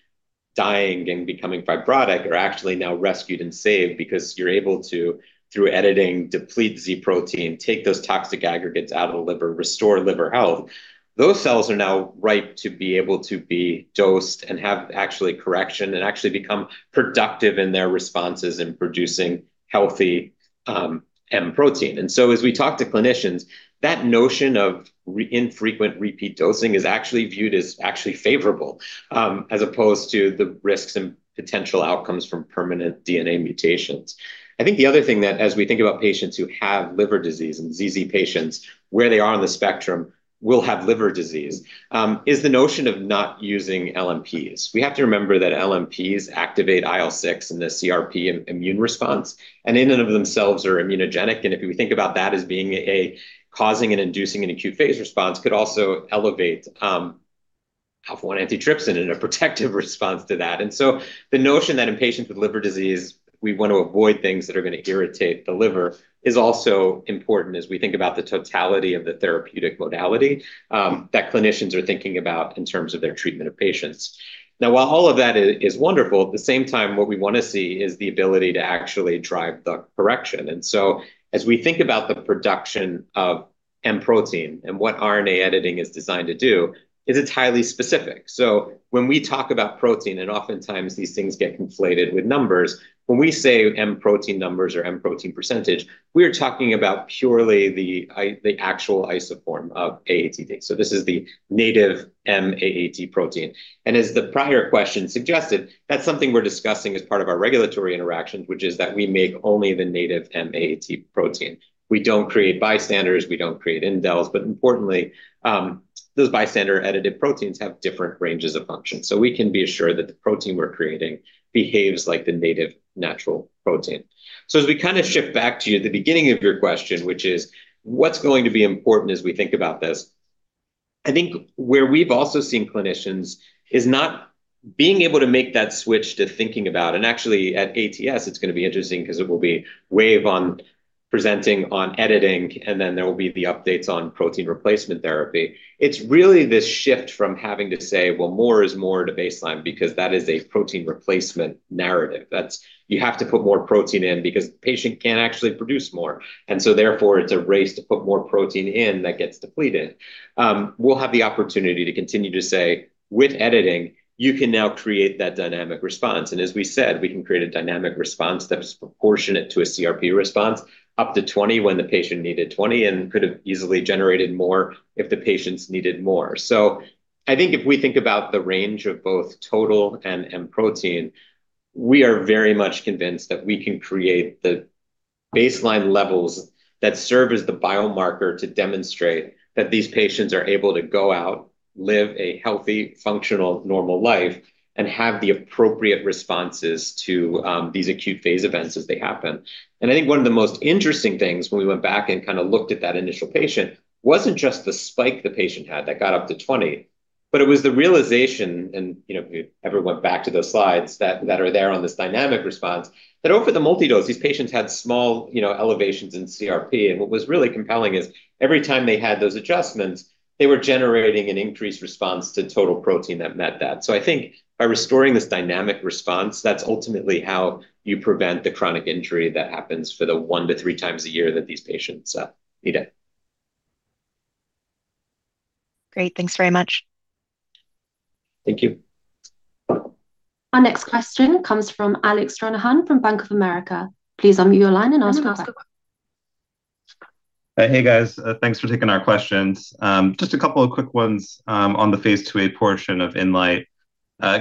dying and becoming fibrotic are actually now rescued and saved because you're able to, through editing, deplete Z protein, take those toxic aggregates out of the liver, restore liver health, those cells are now ripe to be able to be dosed and have actually correction and actually become productive in their responses in producing healthy M protein. As we talk to clinicians, that notion of re-infrequent repeat dosing is actually viewed as actually favorable as opposed to the risks and potential outcomes from permanent DNA mutations. I think the other thing that as we think about patients who have liver disease and ZZ patients, where they are on the spectrum will have liver disease, is the notion of not using LNPs. We have to remember that LNPs activate IL-6 and the CRP immune response, in and of themselves are immunogenic. If we think about that as being causing and inducing an acute phase response could also elevate alpha-1 antitrypsin in a protective response to that. The notion that in patients with liver disease, we want to avoid things that are going to irritate the liver is also important as we think about the totality of the therapeutic modality that clinicians are thinking about in terms of their treatment of patients. Now, while all of that is wonderful, at the same time, what we want to see is the ability to actually drive the correction. As we think about the production of M protein and what RNA editing is designed to do, it's highly specific. When we talk about protein, and oftentimes these things get conflated with numbers, when we say M protein numbers or M protein percentage, we are talking about purely the actual isoform of AATD. This is the native M-AAT protein. As the prior question suggested, that's something we're discussing as part of our regulatory interactions, which is that we make only the native M-AAT protein. We don't create bystanders, we don't create indels. Importantly, those bystander edited proteins have different ranges of function, so we can be assured that the protein we're creating behaves like the native natural protein. As we kind of shift back to the beginning of your question, which is, what's going to be important as we think about this, I think where we've also seen clinicians is not being able to make that switch to thinking about. Actually at ATS, it's gonna be interesting because it will be Wave on presenting on editing, and then there will be the updates on protein replacement therapy. It's really this shift from having to say, well, more is more to baseline because that is a protein replacement narrative. That's you have to put more protein in because the patient can't actually produce more, and so therefore it's a race to put more protein in that gets depleted. We'll have the opportunity to continue to say, with editing, you can now create that dynamic response. As we said, we can create a dynamic response that's proportionate to a CRP response, up to 20 when the patient needed 20, and could have easily generated more if the patients needed more. I think if we think about the range of both total and M protein, we are very much convinced that we can create the baseline levels that serve as the biomarker to demonstrate that these patients are able to go out, live a healthy, functional, normal life, and have the appropriate responses to these acute phase events as they happen. I think one of the most interesting things when we went back and kind of looked at that initial patient wasn't just the spike the patient had that got up to 20, but it was the realization, and you know, if you ever went back to those slides that are there on this dynamic response, that over the multi-dose, these patients had small, you know, elevations in CRP. What was really compelling is every time they had those adjustments, they were generating an increased response to total protein that met that. I think by restoring this dynamic response, that's ultimately how you prevent the chronic injury that happens for the 1-3 times a year that these patients need it. Great. Thanks very much. Thank you. Our next question comes from Alex Ruhnke from Bank of America. Please unmute your line and ask the que-. Hey guys. Thanks for taking our questions. Just a couple of quick ones on the phase IIa portion of INLIGHT.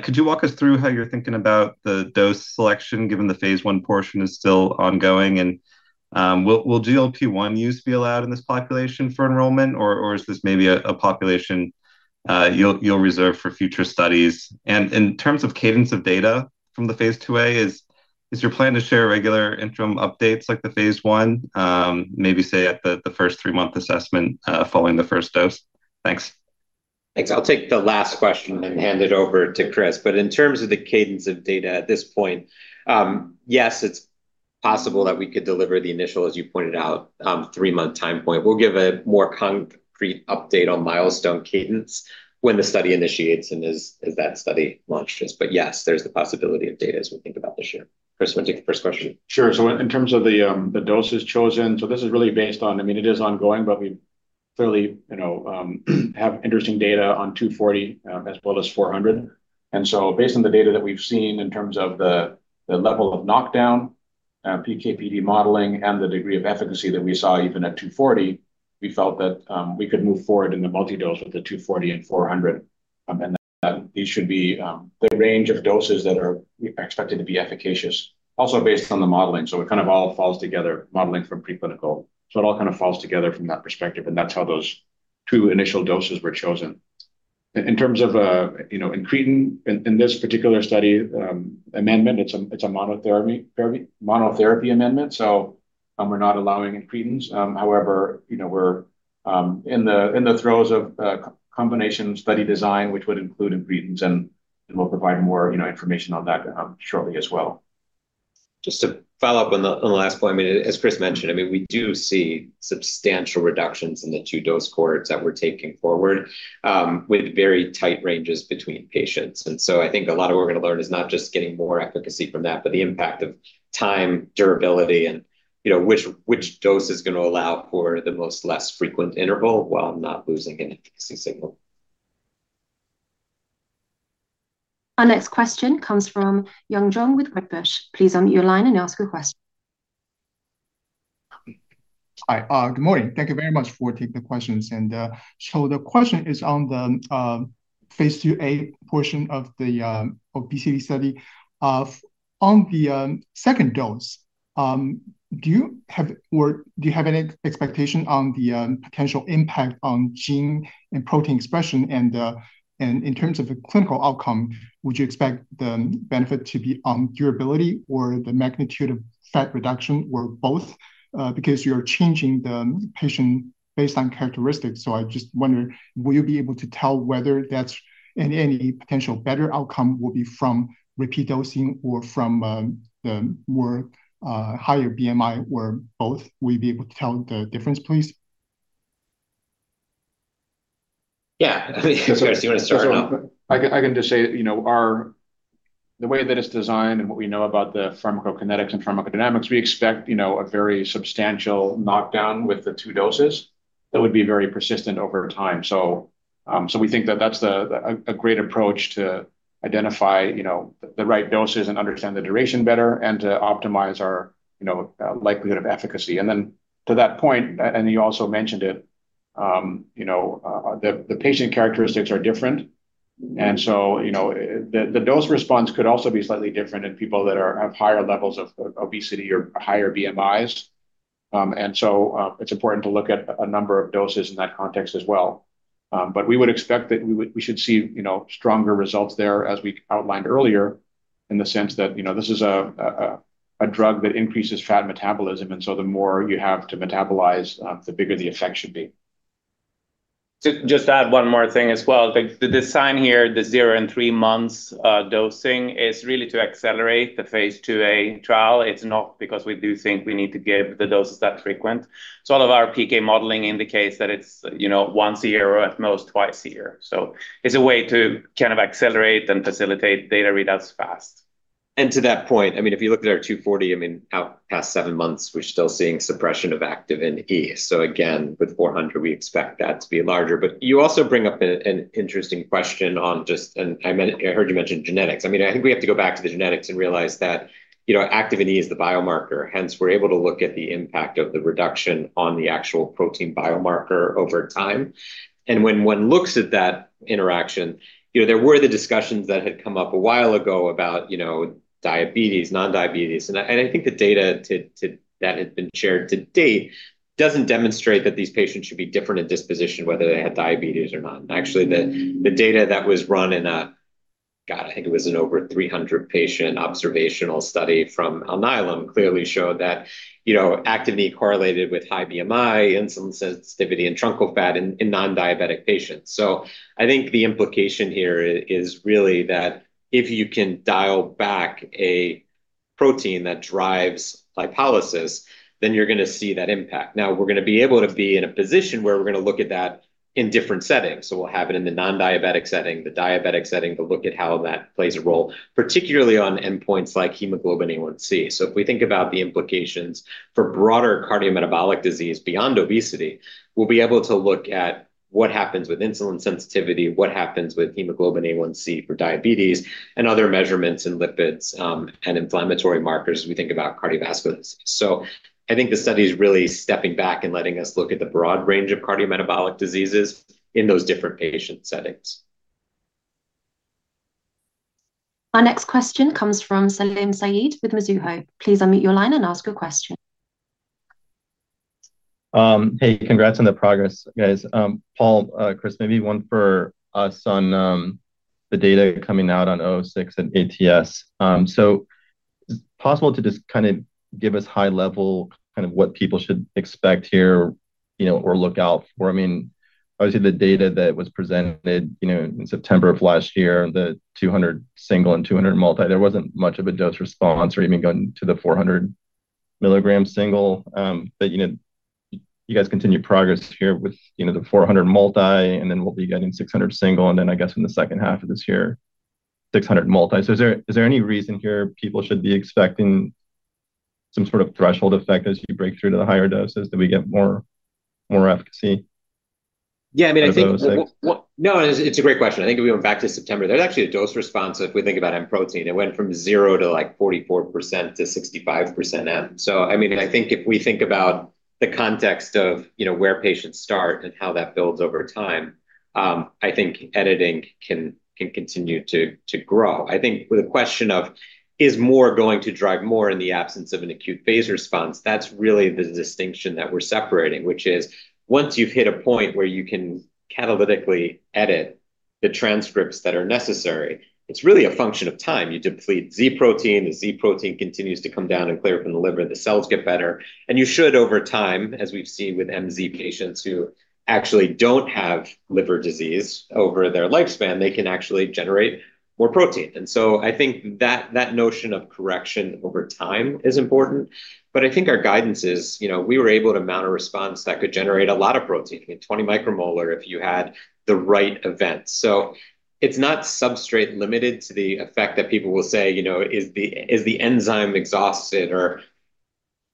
Could you walk us through how you're thinking about the dose selection given the phase I portion is still ongoing? Will GLP-1 use be allowed in this population for enrollment or is this maybe a population you'll reserve for future studies? In terms of cadence of data from the phase IIa, is your plan to share regular interim updates like the phase I, maybe say at the first 3-month assessment following the first dose? Thanks. Thanks. I'll take the last question and hand it over to Chris. In terms of the cadence of data at this point, yes, it's possible that we could deliver the initial, as you pointed out, 3-month time point. We'll give a more concrete update on milestone cadence when the study initiates and as that study launches. Yes, there's the possibility of data as we think about this year. Chris, wanna take the first question? Sure. In terms of the doses chosen, this is really based on, I mean, it is ongoing, but we clearly, you know, have interesting data on 240 as well as 400. Based on the data that we've seen in terms of the level of knockdown, PK/PD modeling, and the degree of efficacy that we saw even at 240, we felt that we could move forward in the multi-dose with the 240 and 400, and that these should be the range of doses that are expected to be efficacious also based on the modeling. It kind of all falls together, modeling from preclinical. It all kind of falls together from that perspective, and that's how those two initial doses were chosen. In terms of, you know, incretin, in this particular study, amendment, it's a monotherapy amendment. We're not allowing incretins. You know, we're in the throes of a combination study design, which would include incretins, and we'll provide more, you know, information on that, shortly as well. Just to follow up on the last point. I mean, as Chris mentioned, I mean, we do see substantial reductions in the two dose cohorts that we're taking forward with very tight ranges between patients. I think a lot of what we're gonna learn is not just getting more efficacy from that, but the impact of time, durability and, you know, which dose is gonna allow for the most less frequent interval while not losing an efficacy signal. Our next question comes from Yanan Zhu with Redburn Atlantic. Please unmute your line and ask your question. Hi. Good morning. Thank you very much for taking the questions. The question is on the phase II-A portion of the obesity study. On the second dose, do you have any expectation on the potential impact on gene and protein expression? In terms of a clinical outcome, would you expect the benefit to be on durability or the magnitude of fat reduction, or both? You're changing the patient based on characteristics. I just wonder, will you be able to tell whether and any potential better outcome will be from repeat dosing or from the more higher BMI, or both? Will you be able to tell the difference, please? Yeah. Chris, do you wanna start or no? I can just say, you know, the way that it's designed and what we know about the pharmacokinetics and pharmacodynamics, we expect, you know, a very substantial knockdown with the two doses that would be very persistent over time. We think that that's a great approach to identify, you know, the right doses and understand the duration better and to optimize our, you know, likelihood of efficacy. To that point, and you also mentioned it, you know, the patient characteristics are different. You know, the dose response could also be slightly different in people that have higher levels of obesity or higher BMIs. It's important to look at a number of doses in that context as well. We should see, you know, stronger results there, as we outlined earlier, in the sense that, you know, this is a drug that increases fat metabolism, the more you have to metabolize, the bigger the effect should be. To just add one more thing as well, like the design here, the 0 and 3 months dosing, is really to accelerate the phase II-A trial. It's not because we do think we need to give the doses that frequent. All of our PK modeling indicates that it's, you know, 1 a year or at most 2 a year. It's a way to kind of accelerate and facilitate data readouts fast. To that point, I mean, if you look at our 240, out past 7 months, we're still seeing suppression of Activin E. Again, with 400, we expect that to be larger. You also bring up an interesting question on just, I heard you mention genetics. I think we have to go back to the genetics and realize that, you know, Activin E is the biomarker. Hence, we're able to look at the impact of the reduction on the actual protein biomarker over time. When one looks at that interaction, you know, there were the discussions that had come up a while ago about, you know, diabetes, non-diabetes. I think the data that had been shared to date doesn't demonstrate that these patients should be different in disposition whether they had diabetes or not. Actually, the data that was run in a, God, I think it was an over 300 patient observational study from Alnylam clearly showed that, you know, Activin E correlated with high BMI, insulin sensitivity and truncal fat in non-diabetic patients. I think the implication here is really that if you can dial back a protein that drives lipolysis, then you're gonna see that impact. We're gonna be able to be in a position where we're gonna look at that in different settings. We'll have it in the non-diabetic setting, the diabetic setting. We'll look at how that plays a role, particularly on endpoints like HbA1c. If we think about the implications for broader cardiometabolic disease beyond obesity, we'll be able to look at what happens with insulin sensitivity, what happens with hemoglobin A1C for diabetes, and other measurements in lipids and inflammatory markers as we think about cardiovascular disease. I think the study is really stepping back and letting us look at the broad range of cardiometabolic diseases in those different patient settings. Our next question comes from Salim Syed with Mizuho. Please unmute your line and ask your question. Hey, congrats on the progress, guys. Paul, Chris, maybe one for us on the data coming out on WVE-006 and ATS. Is it possible to just kind of give us high level kind of what people should expect here, you know, or look out for? I mean, obviously the data that was presented, you know, in September of last year, the 200 single and 200 multi, there wasn't much of a dose response or even going to the 400 milligram single. You know, you guys continue progress here with, you know, the 400 multi, and then we'll be getting 600 single, and then I guess in the second half of this year, 600 multi. Is there any reason here people should be expecting some sort of threshold effect as you break through to the higher doses? Do we get more efficacy? Yeah, I mean. Out of WVE-006? Well, no, it's a great question. I think if we went back to September, there's actually a dose response if we think about M protein. It went from zero to like 44% to 65% M. I mean, I think if we think about the context of, you know, where patients start and how that builds over time, I think editing can continue to grow. I think with the question of is more going to drive more in the absence of an acute phase response, that's really the distinction that we're separating, which is once you've hit a point where you can catalytically edit the transcripts that are necessary, it's really a function of time. You deplete Z protein, the Z protein continues to come down and clear up in the liver, the cells get better. You should over time, as we've seen with MZ patients who actually don't have liver disease over their lifespan, they can actually generate more protein. I think that notion of correction over time is important. I think our guidance is, you know, we were able to mount a response that could generate a lot of protein, you know, 20 micromolar if you had the right event. It's not substrate limited to the effect that people will say, you know, is the enzyme exhausted?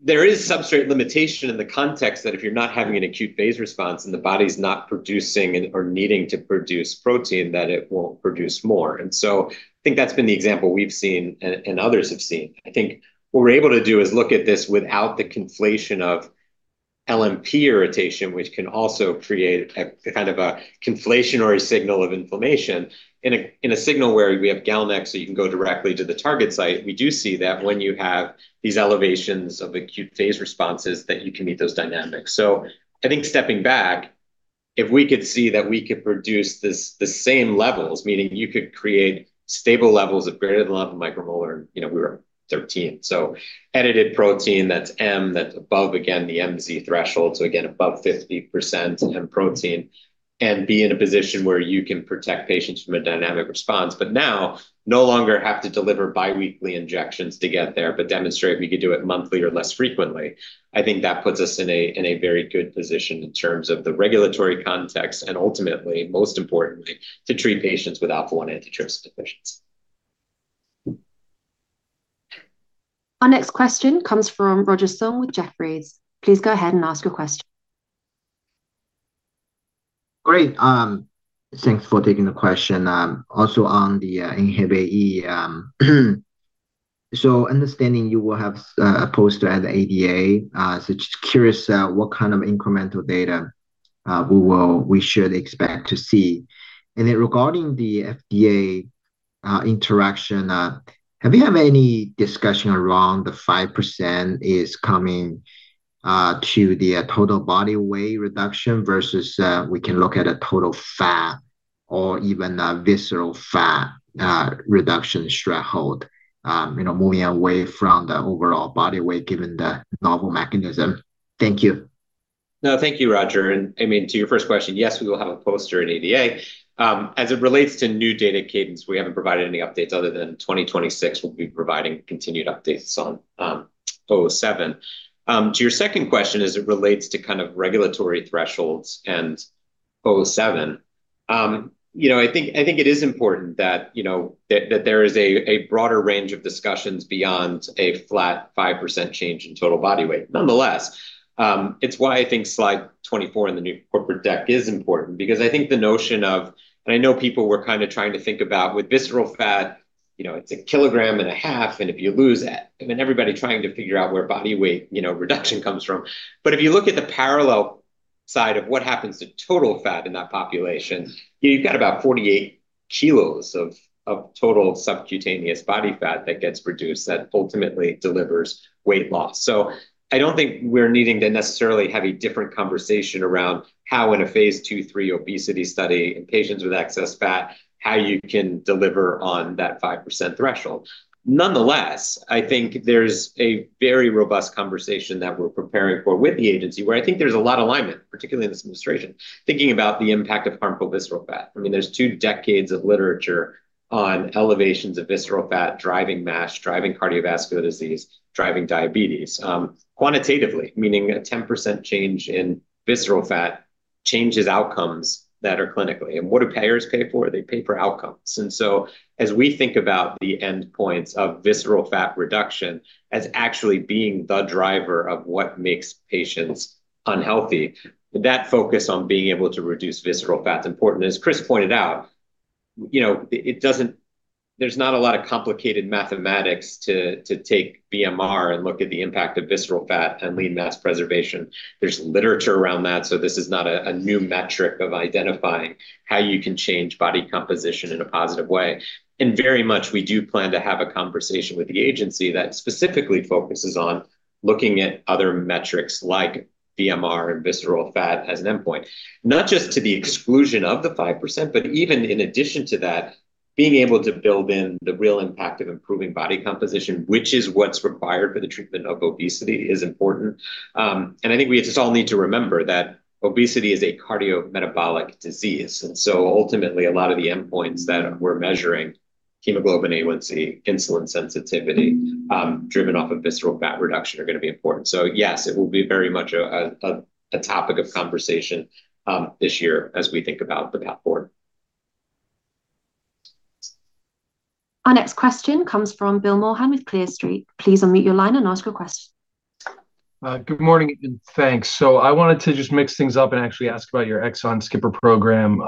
There is substrate limitation in the context that if you're not having an acute phase response and the body's not producing or needing to produce protein, that it won't produce more. I think that's been the example we've seen and others have seen. I think what we're able to do is look at this without the conflation of LNP irritation, which can also create a kind of a conflation or a signal of inflammation. In a signal where we have GalNAc, so you can go directly to the target site, we do see that when you have these elevations of acute phase responses, that you can meet those dynamics. I think stepping back, if we could see that we could produce this, the same levels, meaning you could create stable levels of greater than 11 micromolar, you know, we were 13. Edited protein, that's M, that's above again the MZ threshold, again above 50% M protein, and be in a position where you can protect patients from a dynamic response, but now no longer have to deliver biweekly injections to get there, but demonstrate we could do it monthly or less frequently. I think that puts us in a very good position in terms of the regulatory context and ultimately, most importantly, to treat patients with alpha-1 antitrypsin deficiency. Our next question comes from Roger Song with Jefferies. Please go ahead and ask your question. Great. Thanks for taking the question. Also on the INHBE, understanding you will have a poster at the ADA, just curious what kind of incremental data we should expect to see. Regarding the FDA interaction, have you had any discussion around the 5% is coming to the total body weight reduction versus we can look at a total fat or even a visceral fat reduction threshold, you know, moving away from the overall body weight given the novel mechanism? Thank you. No, thank you, Roger. I mean, to your first question, yes, we will have a poster in ADA. As it relates to new data cadence, we haven't provided any updates other than 2026, we'll be providing continued updates on WVE-007. To your second question, as it relates to kind of regulatory thresholds and WVE-007, you know, I think it is important that, you know, that there is a broader range of discussions beyond a flat 5% change in total body weight. Nonetheless, it's why I think slide 24 in the new corporate deck is important because I think the notion of. I know people were kind of trying to think about with visceral fat, you know, it's a kilogram and a half, and if you lose it, I mean, everybody trying to figure out where body weight, you know, reduction comes from. If you look at the parallel side of what happens to total fat in that population, you've got about 48 kilos of total subcutaneous body fat that gets reduced that ultimately delivers weight loss. I don't think we're needing to necessarily have a different conversation around how in a phase II, III obesity study in patients with excess fat, how you can deliver on that 5% threshold. Nonetheless, I think there's a very robust conversation that we're preparing for with the FDA, where I think there's a lot of alignment, particularly in this administration, thinking about the impact of harmful visceral fat. I mean, there's 2 decades of literature on elevations of visceral fat driving MASH, driving cardiovascular disease, driving diabetes, quantitatively, meaning a 10% change in visceral fat changes outcomes that are clinically. What do payers pay for? They pay for outcomes. As we think about the endpoints of visceral fat reduction as actually being the driver of what makes patients unhealthy, that focus on being able to reduce visceral fat is important. As Chris pointed out, you know, there's not a lot of complicated mathematics to take BMR and look at the impact of visceral fat and lean mass preservation. There's literature around that, so this is not a new metric of identifying how you can change body composition in a positive way. Very much, we do plan to have a conversation with the agency that specifically focuses Looking at other metrics like BMR and visceral fat as an endpoint, not just to the exclusion of the 5%, but even in addition to that, being able to build in the real impact of improving body composition, which is what's required for the treatment of obesity, is important. I think we just all need to remember that obesity is a cardiometabolic disease, ultimately, a lot of the endpoints that we're measuring, hemoglobin A1C, insulin sensitivity, driven off of visceral fat reduction, are gonna be important. Yes, it will be very much a topic of conversation this year as we think about the board. Our next question comes from Bill Maughan with Clear Street. Please unmute your line and ask your question. Good morning, and thanks. I wanted to just mix things up and actually ask about your exon-skipper program.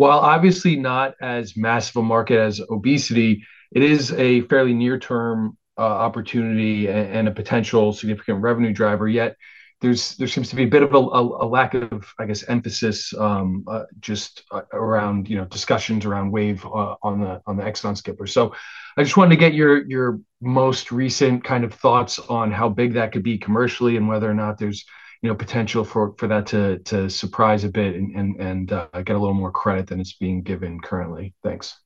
While obviously not as massive a market as obesity, it is a fairly near-term opportunity and a potential significant revenue driver, yet there's, there seems to be a bit of a lack of, I guess, emphasis, just around, you know, discussions around Wave, on the exon-skipper. I just wanted to get your most recent kind of thoughts on how big that could be commercially and whether or not there's, you know, potential for that to surprise a bit and get a little more credit than it's being given currently. Thanks.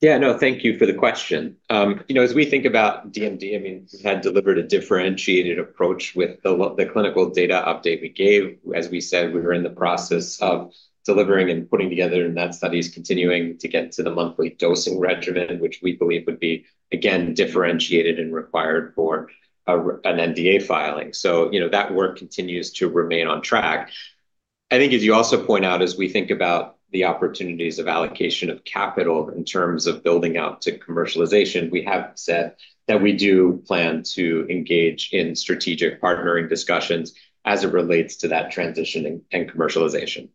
Yeah, no, thank you for the question. you know, as we think about DMD, I mean, we had delivered a differentiated approach with the clinical data update we gave. As we said, we were in the process of delivering and putting together, that study is continuing to get to the monthly dosing regimen, which we believe would be, again, differentiated and required for an NDA filing. you know, that work continues to remain on track. I think as you also point out, as we think about the opportunities of allocation of capital in terms of building out to commercialization, we have said that we do plan to engage in strategic partnering discussions as it relates to that transitioning and commercialization.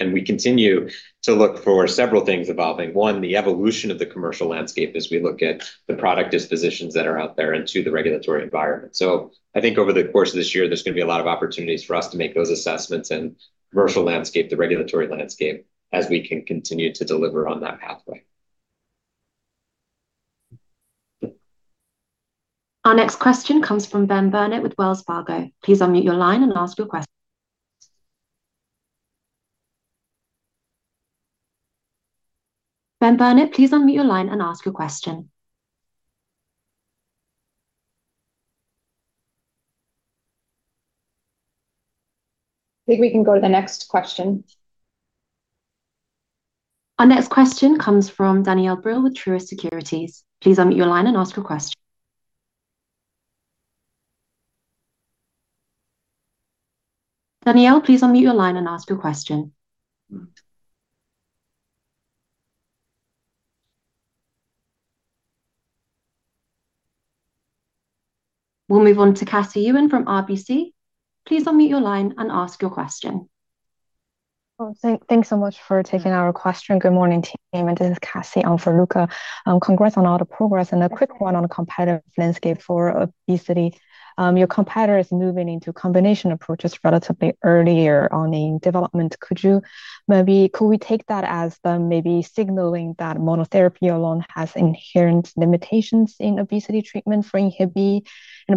We continue to look for several things evolving. One, the evolution of the commercial landscape as we look at the product dispositions that are out there into the regulatory environment. I think over the course of this year, there's going to be a lot of opportunities for us to make those assessments in commercial landscape, the regulatory landscape, as we can continue to deliver on that pathway. Our next question comes from Benjamin Burnett with Wells Fargo. I think we can go to the next question. Our next question comes from Danielle Brill with Truist Securities. Please unmute your line and ask your question. Danielle, please unmute your line and ask your question. We'll move on to uncertain. Please unmute your line and ask your question. Thanks so much for taking our question. Good morning, team. This is Cassie Ewan. Congrats on all the progress, a quick one on the competitive landscape for obesity. Your competitor is moving into combination approaches relatively earlier on in development. Could we take that as them maybe signaling that monotherapy alone has inherent limitations in obesity treatment for INHBE?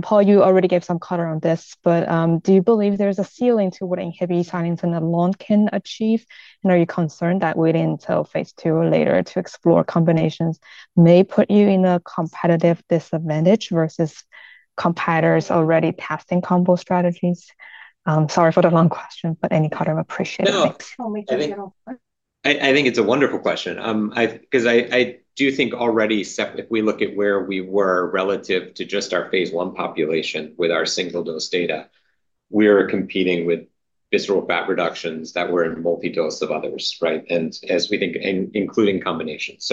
Paul, you already gave some color on this, but do you believe there's a ceiling to what INHBE science alone can achieve? Are you concerned that waiting till phase II or later to explore combinations may put you in a competitive disadvantage versus competitors already testing combo strategies? Sorry for the long question, but any color appreciated. Thanks. No, I think- No, we can get all that. I think it's a wonderful question. 'Cause I do think already if we look at where we were relative to just our phase I population with our single-dose data, we're competing with visceral fat reductions that were in multi-dose of others, right? Including combinations.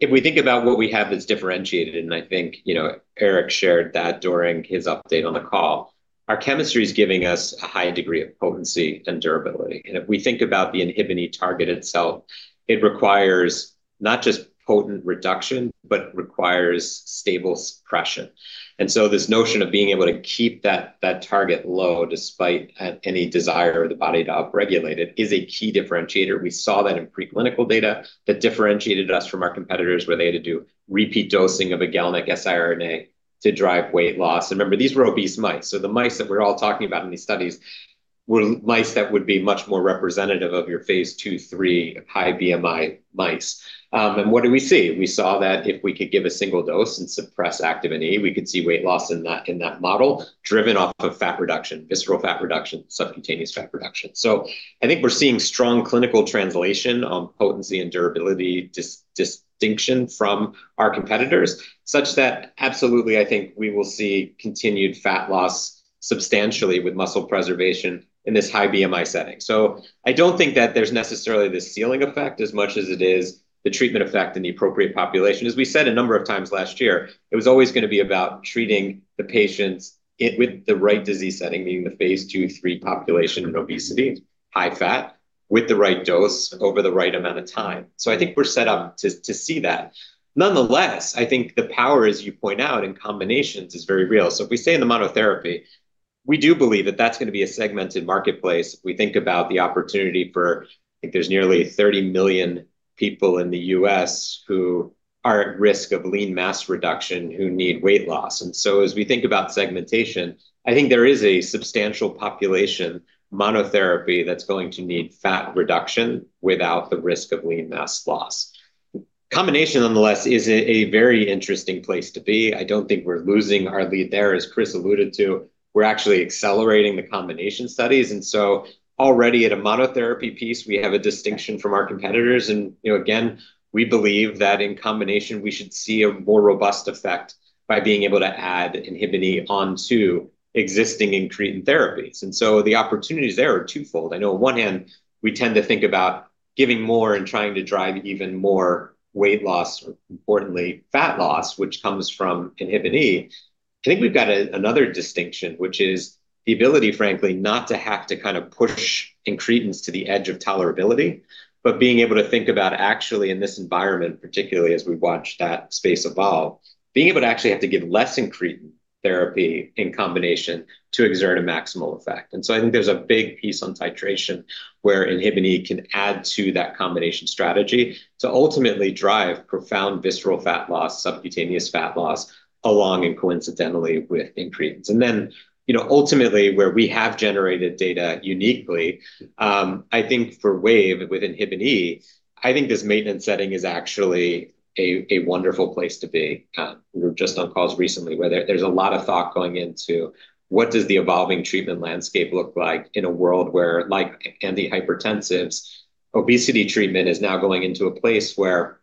If we think about what we have that's differentiated, and I think, you know, Erik shared that during his update on the call, our chemistry is giving us a high degree of potency and durability. If we think about the INHBE target itself, it requires not just potent reduction, but requires stable suppression. This notion of being able to keep that target low despite any desire of the body to upregulate it is a key differentiator. We saw that in preclinical data that differentiated us from our competitors, where they had to do repeat dosing of a GalNAc-siRNA to drive weight loss. Remember, these were obese mice. The mice that we're all talking about in these studies were mice that would be much more representative of your phase II, III high BMI mice. What did we see? We saw that if we could give a single dose and suppress Activin E, we could see weight loss in that, in that model driven off of fat reduction, visceral fat reduction, subcutaneous fat reduction. I think we're seeing strong clinical translation on potency and durability distinction from our competitors, such that absolutely I think we will see continued fat loss substantially with muscle preservation in this high BMI setting. I don't think that there's necessarily this ceiling effect as much as it is the treatment effect in the appropriate population. As we said a number of times last year, it was always gonna be about treating the patients with the right disease setting, meaning the phase II, III population in obesity, high fat, with the right dose over the right amount of time. I think we're set up to see that. Nonetheless, I think the power, as you point out, in combinations is very real. If we stay in the monotherapy. We do believe that that's gonna be a segmented marketplace. We think about the opportunity for, I think there's nearly 30 million people in the U.S., who are at risk of lean mass reduction who need weight loss. As we think about segmentation, I think there is a substantial population monotherapy that's going to need fat reduction without the risk of lean mass loss. Combination, nonetheless, is a very interesting place to be. I don't think we're losing our lead there, as Chris alluded to. We're actually accelerating the combination studies. Already at a monotherapy piece, we have a distinction from our competitors and, you know, again, we believe that in combination we should see a more robust effect by being able to add INHBE onto existing incretin therapies. The opportunities there are twofold. I know on one hand we tend to think about giving more and trying to drive even more weight loss or importantly, fat loss, which comes from INHBE. I think we've got another distinction, which is the ability, frankly, not to have to kind of push incretins to the edge of tolerability, but being able to think about actually in this environment, particularly as we watch that space evolve, being able to actually have to give less incretin therapy in combination to exert a maximal effect. I think there's a big piece on titration where INHBE can add to that combination strategy to ultimately drive profound visceral fat loss, subcutaneous fat loss along and coincidentally with incretins. You know, ultimately where we have generated data uniquely, I think for Wave with INHBE, I think this maintenance setting is actually a wonderful place to be. We were just on calls recently where there's a lot of thought going into what does the evolving treatment landscape look like in a world where like antihypertensives, obesity treatment is now going into a place where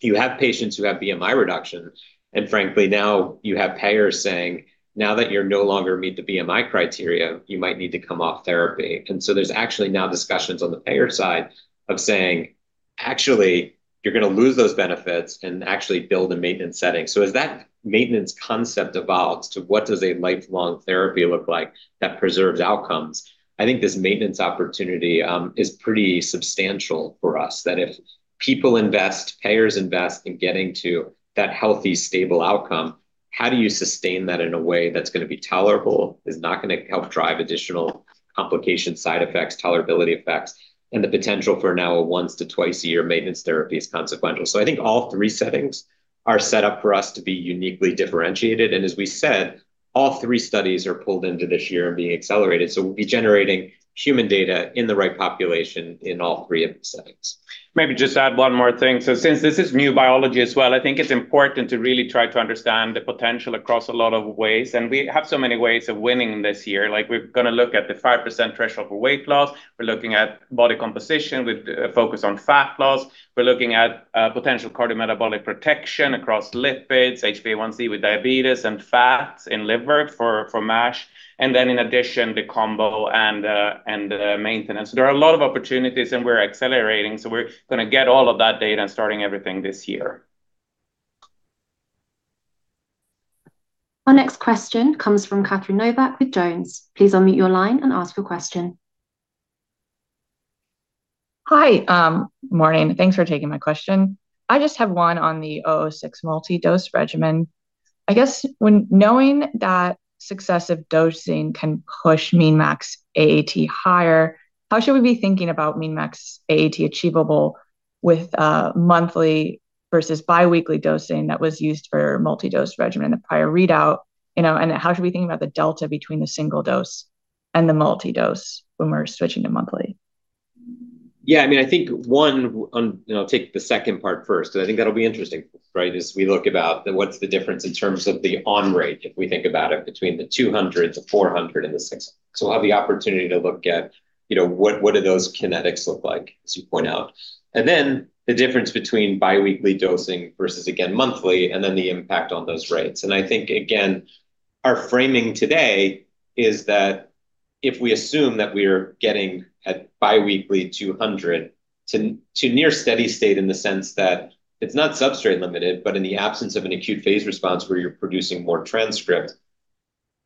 you have patients who have BMI reduction and frankly, now you have payers saying, now that you're no longer meet the BMI criteria, you might need to come off therapy. There's actually now discussions on the payer side of saying, actually, you're gonna lose those benefits and actually build a maintenance setting. As that maintenance concept evolves to what does a lifelong therapy look like that preserves outcomes, I think this maintenance opportunity is pretty substantial for us, that if people invest, payers invest in getting to that healthy, stable outcome, how do you sustain that in a way that's gonna be tolerable, is not gonna help drive additional complication side effects, tolerability effects, and the potential for now a once to twice a year maintenance therapy is consequential. I think all three settings are set up for us to be uniquely differentiated, and as we said, all three studies are pulled into this year and being accelerated. We'll be generating human data in the right population in all three of these settings. Maybe just add one more thing. Since this is new biology as well, I think it's important to really try to understand the potential across a lot of ways, and we have so many ways of winning this year. Like, we're gonna look at the 5% threshold for weight loss. We're looking at body composition with focus on fat loss. We're looking at potential cardiometabolic protection across lipids, HbA1c with diabetes and fats in liver for MASH, and then in addition, the combo and maintenance. There are a lot of opportunities and we're accelerating, so we're gonna get all of that data and starting everything this year. Our next question comes from Catherine Novack with JonesTrading. Please unmute your line and ask your question. Hi, morning. Thanks for taking my question. I just have 1 on the 006 multi-dose regimen. I guess when knowing that successive dosing can push mean max AAT higher, how should we be thinking about mean max AAT achievable with monthly versus biweekly dosing that was used for multi-dose regimen in the prior readout, you know? How should we think about the delta between the single dose and the multi-dose when we're switching to monthly? Yeah, I mean, I think one. I'll take the second part first, 'cause I think that'll be interesting, right? As we look about the what's the difference in terms of the on rate, if we think about it between the 200, the 400 and the 6. We'll have the opportunity to look at, you know, what do those kinetics look like, as you point out. Then the difference between biweekly dosing versus again, monthly and then the impact on those rates. I think again, our framing today is that if we assume that we are getting at biweekly 200 to near steady state in the sense that it's not substrate limited, but in the absence of an acute phase response where you're producing more transcript,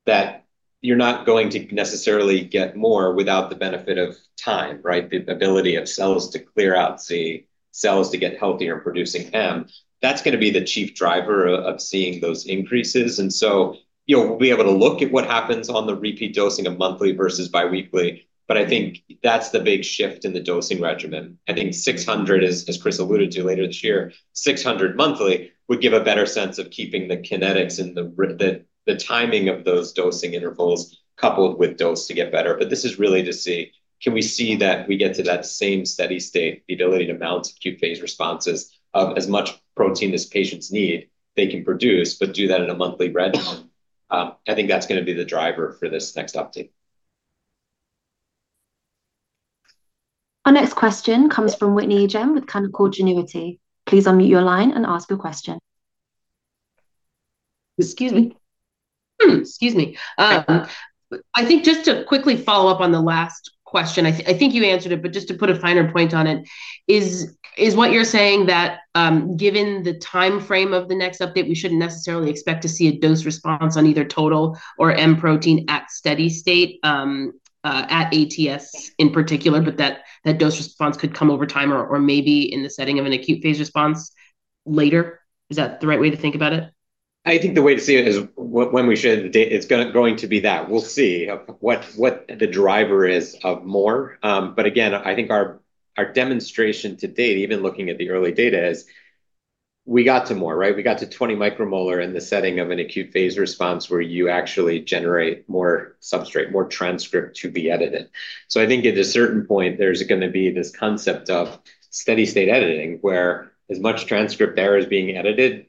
that you're not going to necessarily get more without the benefit of time, right? The ability of cells to clear out, say, cells to get healthier producing M, that's gonna be the chief driver of seeing those increases. You know, we'll be able to look at what happens on the repeat dosing of monthly versus biweekly, but I think that's the big shift in the dosing regimen. I think 600 is, as Chris alluded to later this year, 600 monthly would give a better sense of keeping the kinetics and the timing of those dosing intervals coupled with dose to get better. This is really to see, can we see that we get to that same steady state, the ability to mount acute phase responses of as much protein as patients need, they can produce, but do that in a monthly regimen. I think that's gonna be the driver for this next update. Our next question comes from Whitney Ijem with Canaccord Genuity. Please unmute your line and ask your question. Excuse me. I think just to quickly follow up on the last question, I think you answered it, but just to put a finer point on it, is what you're saying that given the timeframe of the next update, we shouldn't necessarily expect to see a dose response on either total or M protein at steady state at ATS in particular, but that dose response could come over time or maybe in the setting of an acute phase response later? Is that the right way to think about it? I think the way to see it is when we share the data, it's going to be that. We'll see what the driver is of more. Again, I think our demonstration to date, even looking at the early data, is we got to more, right? We got to 20 micromolar in the setting of an acute phase response where you actually generate more substrate, more transcript to be edited. I think at a certain point, there's gonna be this concept of steady-state editing, where as much transcript there is being edited,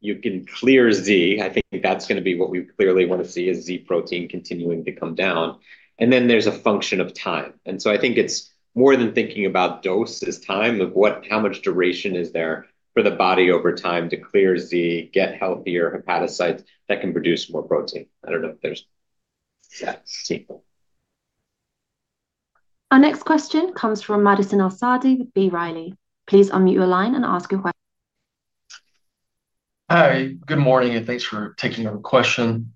you can clear Z. I think that's gonna be what we clearly wanna see is Z protein continuing to come down. Then there's a function of time. I think it's more than thinking about dose as time, how much duration is there for the body over time to clear Z-AAT, get healthier hepatocytes that can produce more protein. I don't know if there's. Yeah, Steven Seedhouse. Our next question comes from May-Ann El-Saadi with B. Riley. Please unmute your line and ask your question. Hi, good morning, and thanks for taking our question.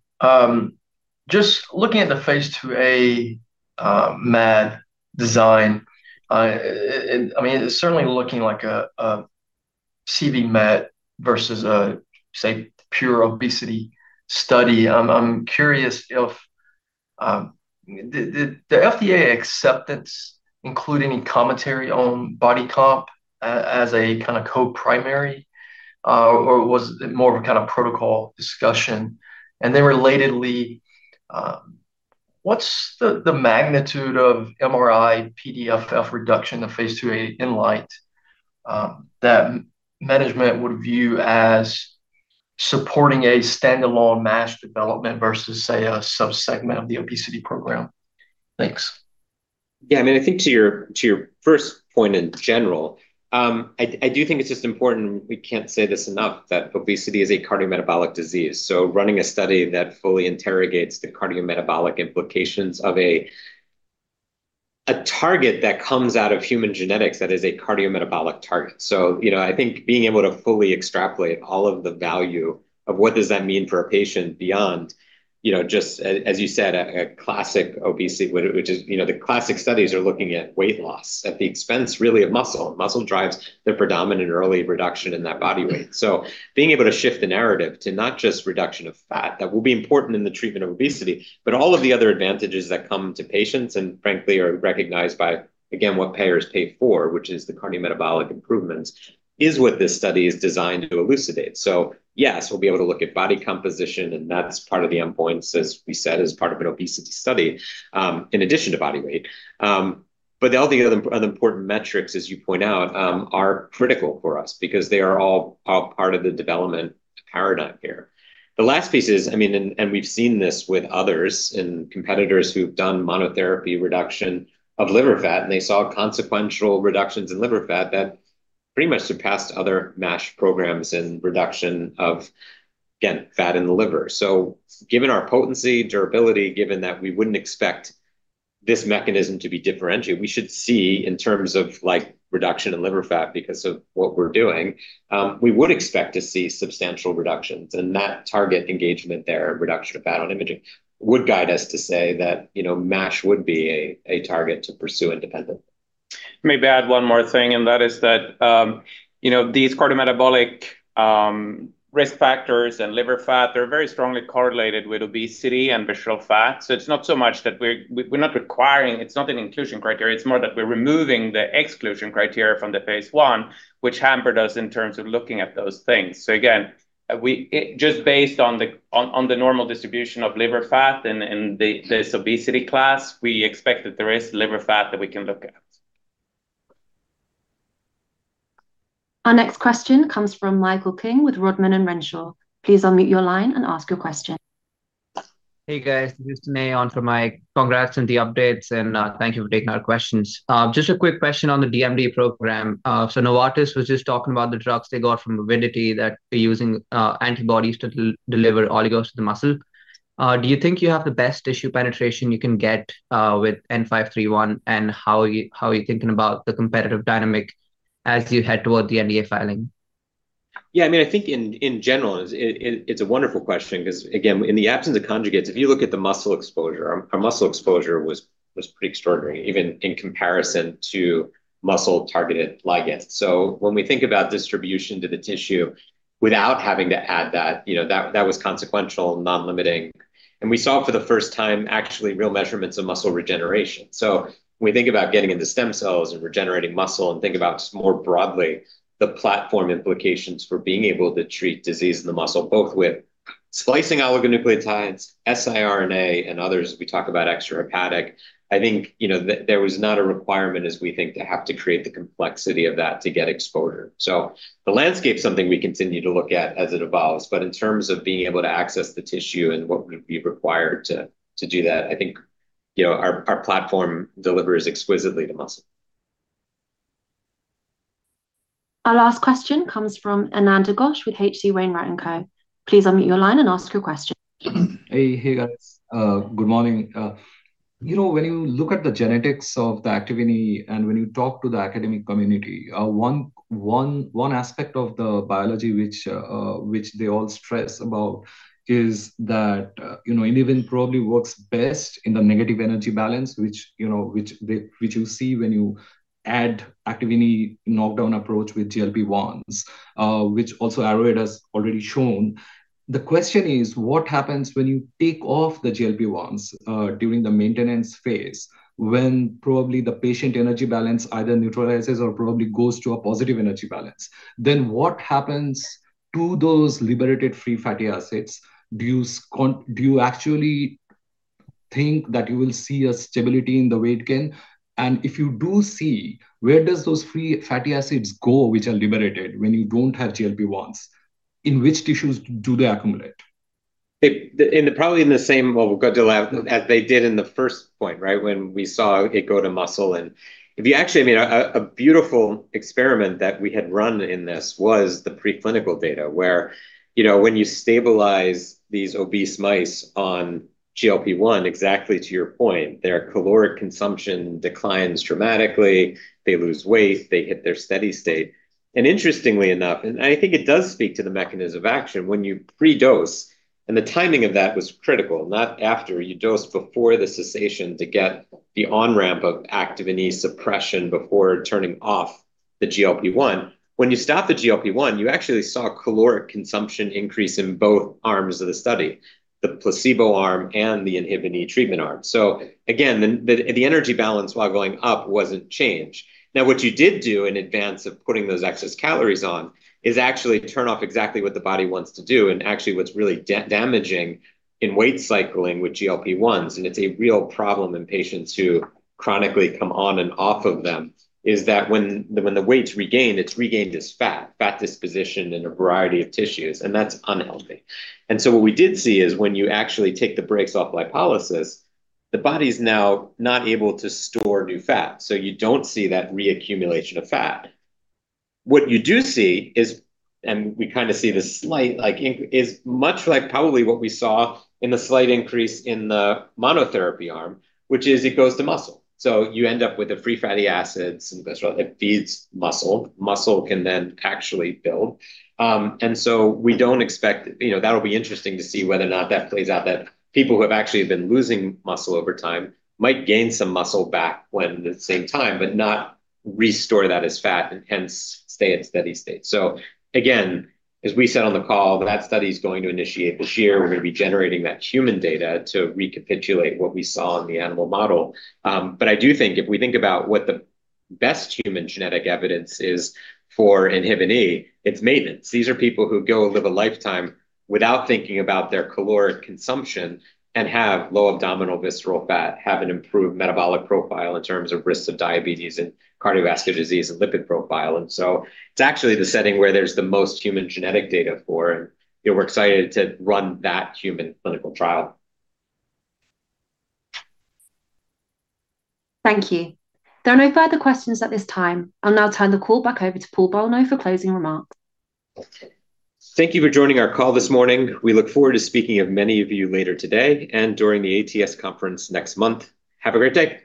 Just looking at the Phase IIa MAD design, I mean, it's certainly looking like a CV MAD versus a, say, pure obesity study. I'm curious if the FDA acceptance include any commentary on body comp as a kind of co-primary or was it more of a kind of protocol discussion? Relatedly, what's the magnitude of MRI PDFF reduction of Phase IIa INLIGHT that management would view as supporting a standalone MASH development versus, say, a subsegment of the obesity program? Thanks. Yeah, I mean, I think to your first point in general, I do think it's just important, we can't say this enough, that obesity is a cardiometabolic disease. Running a study that fully interrogates the cardiometabolic implications of a target that comes out of human genetics that is a cardiometabolic target. You know, I think being able to fully extrapolate all of the value of what does that mean for a patient beyond, you know, just a, as you said, a classic obesity, which is, you know, the classic studies are looking at weight loss at the expense really of muscle. Muscle drives the predominant early reduction in that body weight. Being able to shift the narrative to not just reduction of fat, that will be important in the treatment of obesity, but all of the other advantages that come to patients and frankly are recognized by, again, what payers pay for, which is the cardiometabolic improvements, is what this study is designed to elucidate. Yes, we'll be able to look at body composition, and that's part of the endpoints, as we said, as part of an obesity study, in addition to body weight. But all the other important metrics, as you point out, are critical for us because they are all part of the development paradigm here. The last piece is, I mean, and we've seen this with others and competitors who've done monotherapy reduction of liver fat, and they saw consequential reductions in liver fat that pretty much surpassed other MASH programs and reduction of, again, fat in the liver. Given our potency, durability, given that we wouldn't expect this mechanism to be differentiated, we should see in terms of like reduction in liver fat because of what we're doing, we would expect to see substantial reductions. That target engagement there, reduction of fat on imaging, would guide us to say that, you know, MASH would be a target to pursue independently. Maybe add one more thing, and that is that, you know, these cardiometabolic risk factors and liver fat, they're very strongly correlated with obesity and visceral fat. It's not so much that we're not requiring, it's not an inclusion criteria, it's more that we're removing the exclusion criteria from the phase I, which hampered us in terms of looking at those things. Again, we, just based on the normal distribution of liver fat and the, this obesity class, we expect that there is liver fat that we can look at. Our next question comes from Michael King with Rodman & Renshaw. Please unmute your line and ask your question. Hey, guys. This is on for Mike. Congrats on the updates, and thank you for taking our questions. Just a quick question on the DMD program. Novartis was just talking about the drugs they got from uncertain that they're using antibodies to deliver oligos to the muscle. Do you think you have the best tissue penetration you can get with WVE-N531, and how are you thinking about the competitive dynamic as you head toward the NDA filing? Yeah, I mean, I think in general, it's a wonderful question 'cause again, in the absence of conjugates, if you look at the muscle exposure, our muscle exposure was pretty extraordinary, even in comparison to muscle-targeted ligands. When we think about distribution to the tissue without having to add that, you know, that was consequential, not limiting. We saw for the first time actually real measurements of muscle regeneration. When we think about getting into stem cells and regenerating muscle and think about more broadly the platform implications for being able to treat disease in the muscle, both with splicing oligonucleotides, siRNA, and others as we talk about extrahepatic, I think, you know, there was not a requirement as we think to have to create the complexity of that to get exposure. The landscape's something we continue to look at as it evolves, but in terms of being able to access the tissue and what would be required to do that, I think, you know, our platform delivers exquisitely to muscle. Our last question comes from Ananda Ghosh with H.C. Wainwright & Co. Please unmute your line and ask your question. Hey. Hey, guys Good morning. You know, when you look at the genetics of the Activin E and when you talk to the academic community, one aspect of the biology which they all stress about is that, you know, INHBE probably works best in the negative energy balance, which, you know, which you see when you add Activin E knockdown approach with GLP-1s, which also Alnylam has already shown. The question is, what happens when you take off the GLP-1s during the maintenance phase, when probably the patient energy balance either neutralizes or probably goes to a positive energy balance? Then what happens to those liberated free fatty acids? Do you actually think that you will see a stability in the weight gain? If you do see, where do those free fatty acids go which are liberated when you don't have GLP-1s? In which tissues do they accumulate? In the, probably in the same, well, we've got to lab as they did in the first point, right? When we saw it go to muscle, if you actually, I mean, a beautiful experiment that we had run in this was the preclinical data where, you know, when you stabilize these obese mice on GLP-1, exactly to your point, their caloric consumption declines dramatically, they lose weight, they hit their steady state. Interestingly enough, I think it does speak to the mechanism of action when you pre-dose, and the timing of that was critical, not after you dose before the cessation to get the on-ramp of Activin E suppression before turning off the GLP-1. When you stop the GLP-1, you actually saw caloric consumption increase in both arms of the study, the placebo arm and the Activin E treatment arm. The energy balance while going up wasn't changed. What you did do in advance of putting those excess calories on is actually turn off exactly what the body wants to do, and actually what's really damaging in weight cycling with GLP-1s, and it's a real problem in patients who chronically come on and off of them, is that when the weight's regained, it's regained as fat disposition in a variety of tissues, and that's unhealthy. What we did see is when you actually take the brakes off lipolysis, the body's now not able to store new fat, so you don't see that reaccumulation of fat. What you do see is, we kind of see this slight, like increase is much like probably what we saw in the slight increase in the monotherapy arm, which is it goes to muscle. You end up with the free fatty acids and cholesterol. It feeds muscle. Muscle can then actually build. We don't expect, you know, that'll be interesting to see whether or not that plays out, that people who have actually been losing muscle over time might gain some muscle back when at the same time, but not restore that as fat and hence stay at steady state. Again, as we said on the call, that study's going to initiate this year. We're gonna be generating that human data to recapitulate what we saw in the animal model. I do think if we think about what the best human genetic evidence is for Activin E, it's maintenance. These are people who go live a lifetime without thinking about their caloric consumption and have low abdominal visceral fat, have an improved metabolic profile in terms of risks of diabetes and cardiovascular disease and lipid profile. It's actually the setting where there's the most human genetic data for, and, you know, we're excited to run that human clinical trial. Thank you. There are no further questions at this time. I'll now turn the call back over to Paul Bolno for closing remarks. Thank you for joining our call this morning. We look forward to speaking with many of you later today and during the ATS conference next month. Have a great day.